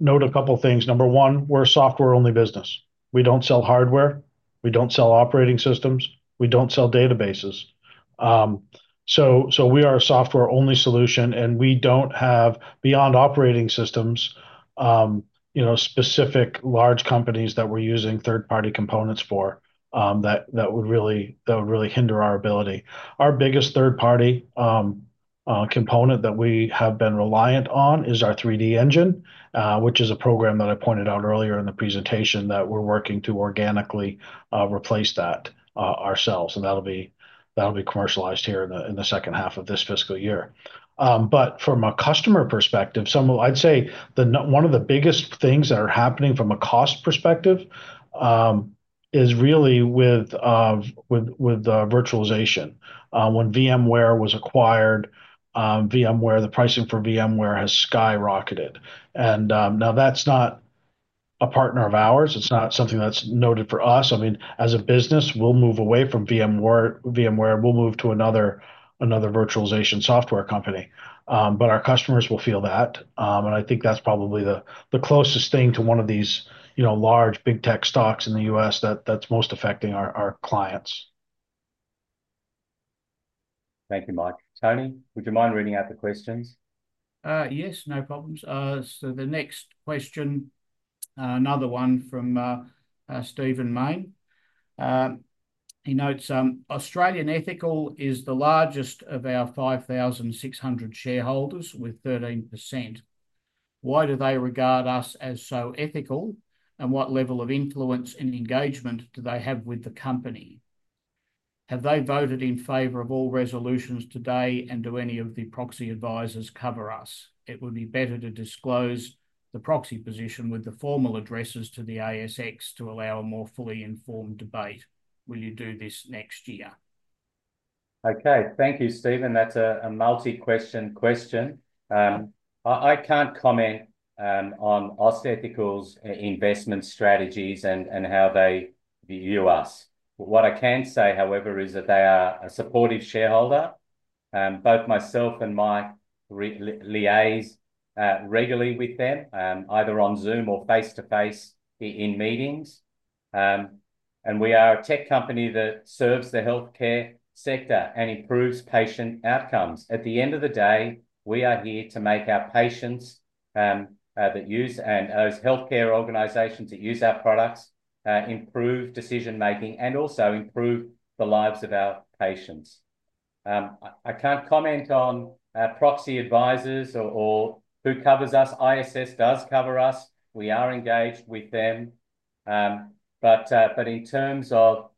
a couple of things. Number one, we're a software-only business. We don't sell hardware. We don't sell operating systems. We don't sell databases. So we are a software-only solution, and we don't have, beyond operating systems, specific large companies that we're using third-party components for that would really hinder our ability. Our biggest third-party component that we have been reliant on is our 3D engine, which is a program that I pointed out earlier in the presentation that we're working to organically replace that ourselves, and that'll be commercialized here in the second half of this fiscal year. But from a customer perspective, I'd say one of the biggest things that are happening from a cost perspective is really with virtualization. When VMware was acquired, the pricing for VMware has skyrocketed. And now that's not a partner of ours. It's not something that's noted for us. I mean, as a business, we'll move away from VMware. We'll move to another virtualization software company. But our customers will feel that. I think that's probably the closest thing to one of these large big tech stocks in the U.S. that's most affecting our clients. Thank you, Mike. Tony, would you mind reading out the questions? Yes, no problems. So the next question, another one from Stephen Mayne. He notes, "Australian Ethical is the largest of our 5,600 shareholders with 13%. Why do they regard us as so ethical, and what level of influence and engagement do they have with the company? Have they voted in favor of all resolutions today, and do any of the proxy advisors cover us? It would be better to disclose the proxy position with the formal addresses to the ASX to allow a more fully informed debate. Will you do this next year?" Okay. Thank you, Stephen. That's a multi-question question. I can't comment on Australian Ethical's investment strategies and how they view us. What I can say, however, is that they are a supportive shareholder. Both myself and Mike liaise regularly with them, either on Zoom or face-to-face in meetings, and we are a tech company that serves the healthcare sector and improves patient outcomes. At the end of the day, we are here to make our patients that use and those healthcare organizations that use our products improve decision-making and also improve the lives of our patients. I can't comment on proxy advisors or who covers us. ISS does cover us. We are engaged with them, but in terms of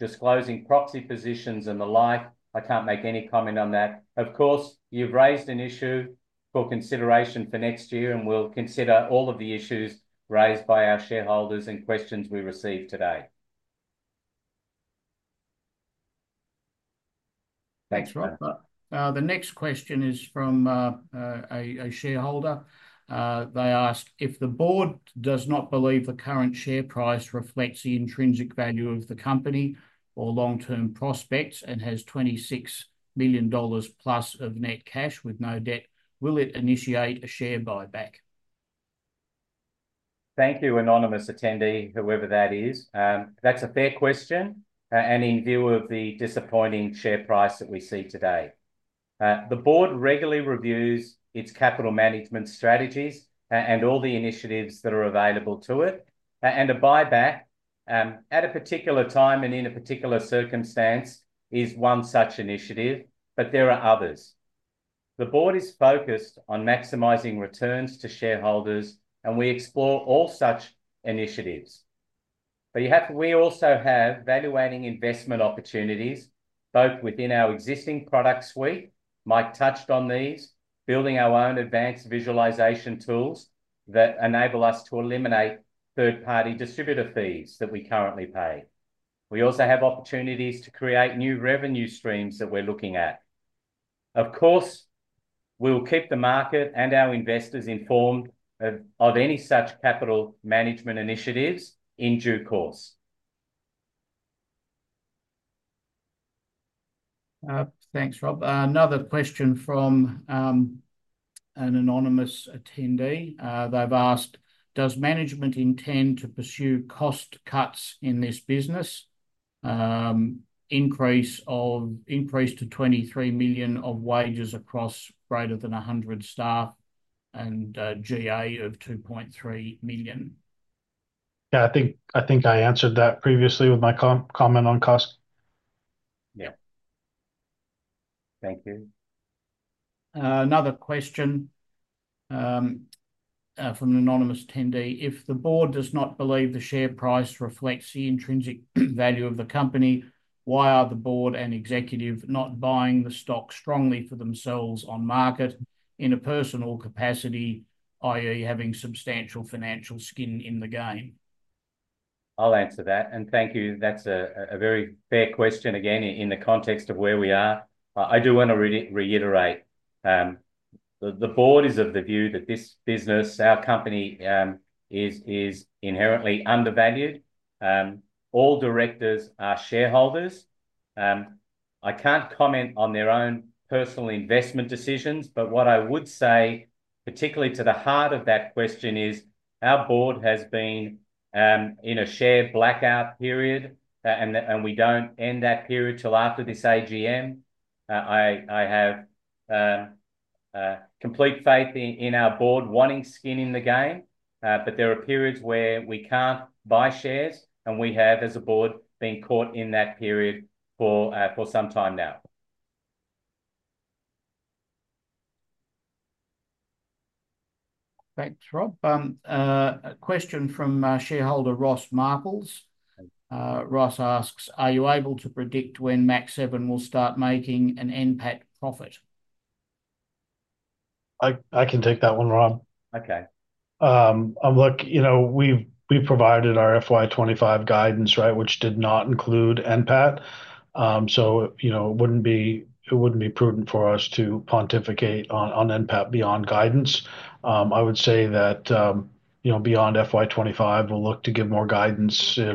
disclosing proxy positions and the like, I can't make any comment on that. Of course, you've raised an issue for consideration for next year, and we'll consider all of the issues raised by our shareholders and questions we received today. Thanks, Rob. The next question is from a shareholder. They ask, "If the board does not believe the current share price reflects the intrinsic value of the company or long-term prospects and has 26 million dollars plus of net cash with no debt, will it initiate a share buyback?" Thank you, anonymous attendee, whoever that is. That's a fair question, and in view of the disappointing share price that we see today. The board regularly reviews its capital management strategies and all the initiatives that are available to it. And a buyback at a particular time and in a particular circumstance is one such initiative, but there are others. The board is focused on maximizing returns to shareholders, and we explore all such initiatives. But we also have valuable investment opportunities, both within our existing product suite, Mike touched on these, building our own advanced visualization tools that enable us to eliminate third-party distributor fees that we currently pay. We also have opportunities to create new revenue streams that we're looking at. Of course, we'll keep the market and our investors informed of any such capital management initiatives in due course. Thanks, Rob. Another question from an anonymous attendee. They've asked, "Does management intend to pursue cost cuts in this business? Increase to 23 million of wages across greater than 100 staff and G&A of 2.3 million?" Yeah, I think I answered that previously with my comment on cost. Yeah. Thank you. Another question from an anonymous attendee. "If the board does not believe the share price reflects the intrinsic value of the company, why are the board and executive not buying the stock strongly for themselves on market in a personal capacity, i.e., having substantial financial skin in the game?" I'll answer that. Thank you. That's a very fair question. Again, in the context of where we are, I do want to reiterate the board is of the view that this business, our company, is inherently undervalued. All directors are shareholders. I can't comment on their own personal investment decisions, but what I would say, particularly to the heart of that question, is our board has been in a share blackout period, and we don't end that period till after this AGM. I have complete faith in our board wanting skin in the game, but there are periods where we can't buy shares, and we have, as a board, been caught in that period for some time now. Thanks, Rob. A question from shareholder Ross Marples. Ross asks, "Are you able to predict when Mach7 will start making an NPAT profit?" I can take that one, Rob. Okay. Look, we've provided our FY 2025 guidance, right, which did not include NPAT. It wouldn't be prudent for us to pontificate on NPAT beyond guidance. I would say that beyond FY 2025, we'll look to give more guidance as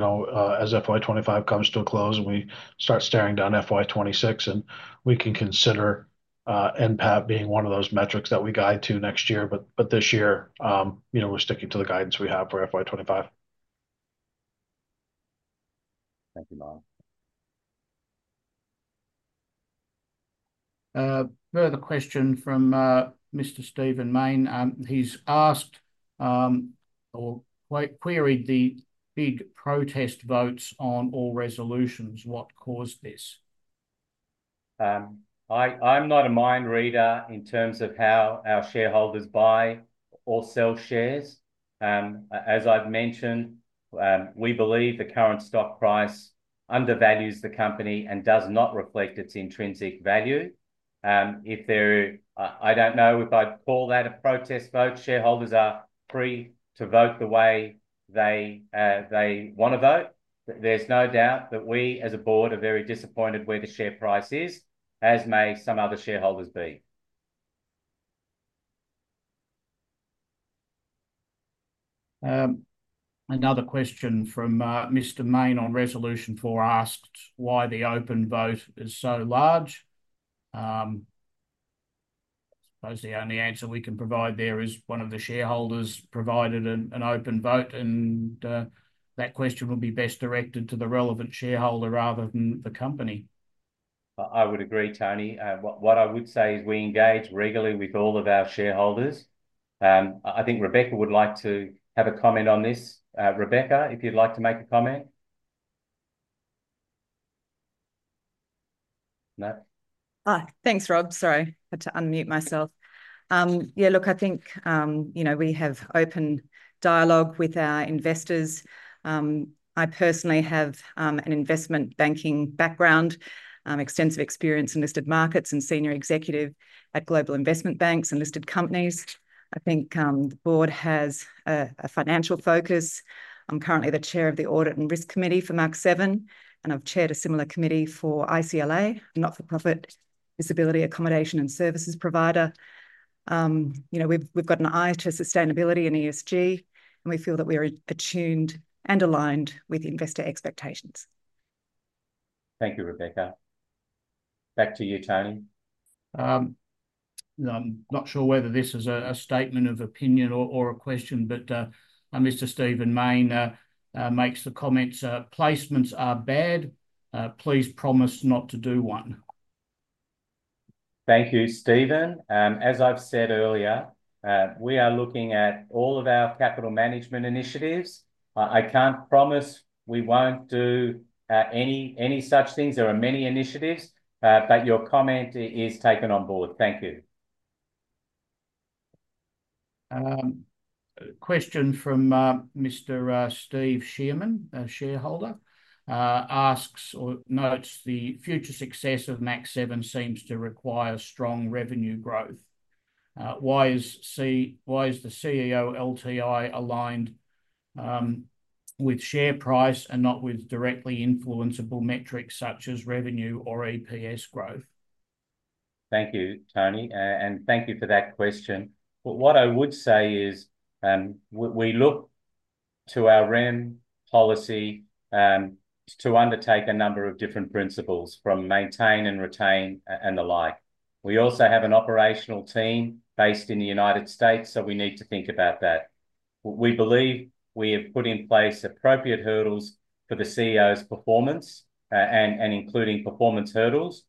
FY 2025 comes to a close and we start staring down FY 2026, and we can consider NPAT being one of those metrics that we guide to next year. But this year, we're sticking to the guidance we have for FY 2025. Thank you, Mike. Another question from Mr. Stephen Mayne. He's asked or queried the big protest votes on all resolutions. What caused this? I'm not a mind reader in terms of how our shareholders buy or sell shares. As I've mentioned, we believe the current stock price undervalues the company and does not reflect its intrinsic value. I don't know if I'd call that a protest vote. Shareholders are free to vote the way they want to vote. There's no doubt that we, as a board, are very disappointed where the share price is, as may some other shareholders be. Another question from Mr. Mayne on resolution four asks, "Why is the open vote so large?" I suppose the only answer we can provide there is one of the shareholders provided an open vote, and that question would be best directed to the relevant shareholder rather than the company. I would agree, Tony. What I would say is we engage regularly with all of our shareholders. I think Rebecca would like to have a comment on this. Rebecca, if you'd like to make a comment. Thanks, Rob. Sorry, had to unmute myself. Yeah, look, I think we have open dialogue with our investors. I personally have an investment banking background, extensive experience in listed markets, and senior executive at global investment banks and listed companies. I think the board has a financial focus. I'm currently the chair of the Audit and Risk Committee for Mach7, and I've chaired a similar committee for ICLA, not-for-profit disability accommodation and services provider. We've got an eye to sustainability and ESG, and we feel that we are attuned and aligned with investor expectations. Thank you, Rebecca. Back to you, Tony. I'm not sure whether this is a statement of opinion or a question, but Mr. Stephen Mayne makes the comments, "Placements are bad. Please promise not to do one." Thank you, Stephen. As I've said earlier, we are looking at all of our capital management initiatives. I can't promise we won't do any such things. There are many initiatives, but your comment is taken on board. Thank you. Question from Mr. Steve Shearman, a shareholder, asks or notes, "The future success of Mach7 seems to require strong revenue growth. Why is the CEO LTI aligned with share price and not with directly influenceable metrics such as revenue or EPS growth?" Thank you, Tony. And thank you for that question. But what I would say is we look to our REM policy to undertake a number of different principles from maintain and retain and the like. We also have an operational team based in the United States, so we need to think about that. We believe we have put in place appropriate hurdles for the CEO's performance and including performance hurdles.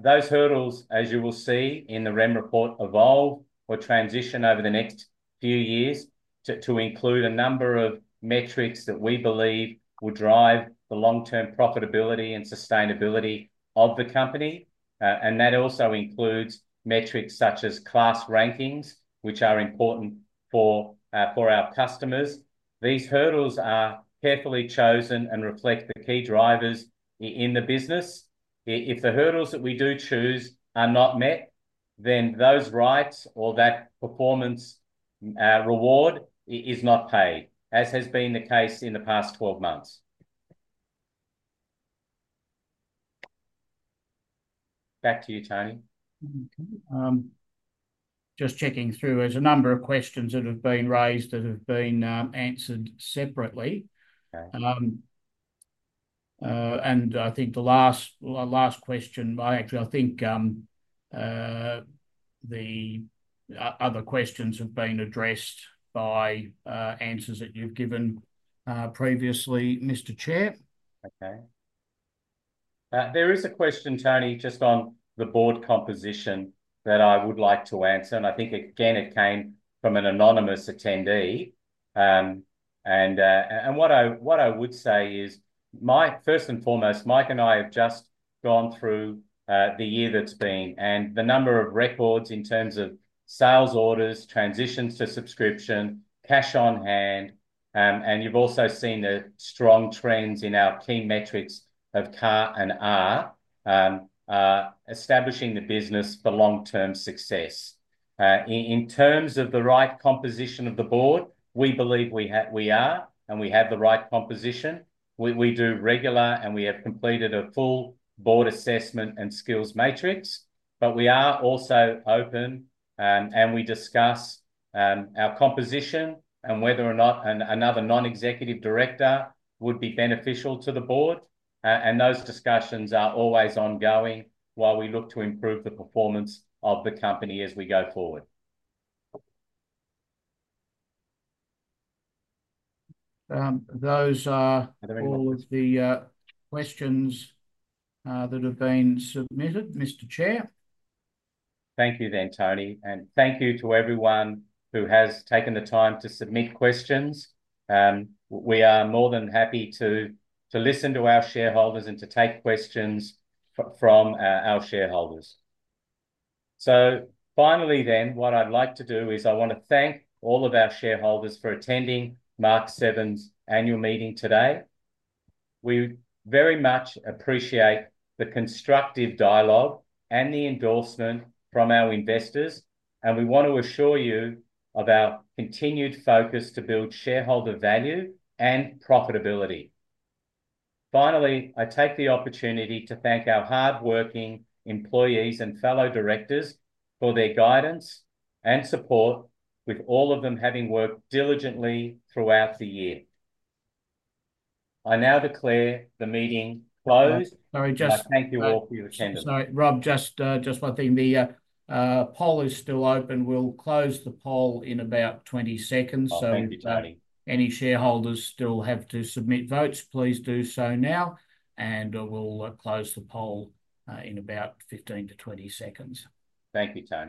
Those hurdles, as you will see in the REM report, evolve or transition over the next few years to include a number of metrics that we believe will drive the long-term profitability and sustainability of the company. And that also includes metrics such as KLAS rankings, which are important for our customers. These hurdles are carefully chosen and reflect the key drivers in the business. If the hurdles that we do choose are not met, then those rights or that performance reward is not paid, as has been the case in the past 12 months. Back to you, Tony. Just checking through. There's a number of questions that have been raised that have been answered separately. And I think the last question, actually, I think the other questions have been addressed by answers that you've given previously, Mr. Chair. Okay. There is a question, Tony, just on the board composition that I would like to answer. And I think, again, it came from an anonymous attendee. And what I would say is, first and foremost, Mike and I have just gone through the year that's been and the number of records in terms of sales orders, transitions to subscription, cash on hand. And you've also seen the strong trends in our key metrics of CARR, establishing the business for long-term success. In terms of the right composition of the board, we believe we are, and we have the right composition. We do regular, and we have completed a full board assessment and skills matrix. But we are also open, and we discuss our composition and whether or not another non-executive director would be beneficial to the board. And those discussions are always ongoing while we look to improve the performance of the company as we go forward. Those are all of the questions that have been submitted, Mr. Chair. Thank you then, Tony. And thank you to everyone who has taken the time to submit questions. We are more than happy to listen to our shareholders and to take questions from our shareholders. So finally then, what I'd like to do is I want to thank all of our shareholders for attending Mach7's annual meeting today. We very much appreciate the constructive dialogue and the endorsement from our investors, and we want to assure you of our continued focus to build shareholder value and profitability. Finally, I take the opportunity to thank our hardworking employees and fellow directors for their guidance and support, with all of them having worked diligently throughout the year. I now declare the meeting closed. Sorry, just thank you all for your attendance. Sorry, Rob, just one thing. The poll is still open. We'll close the poll in about 20 seconds. So any shareholders still have to submit votes, please do so now, and we'll close the poll in about 15 to 20 seconds. Thank you, Tony.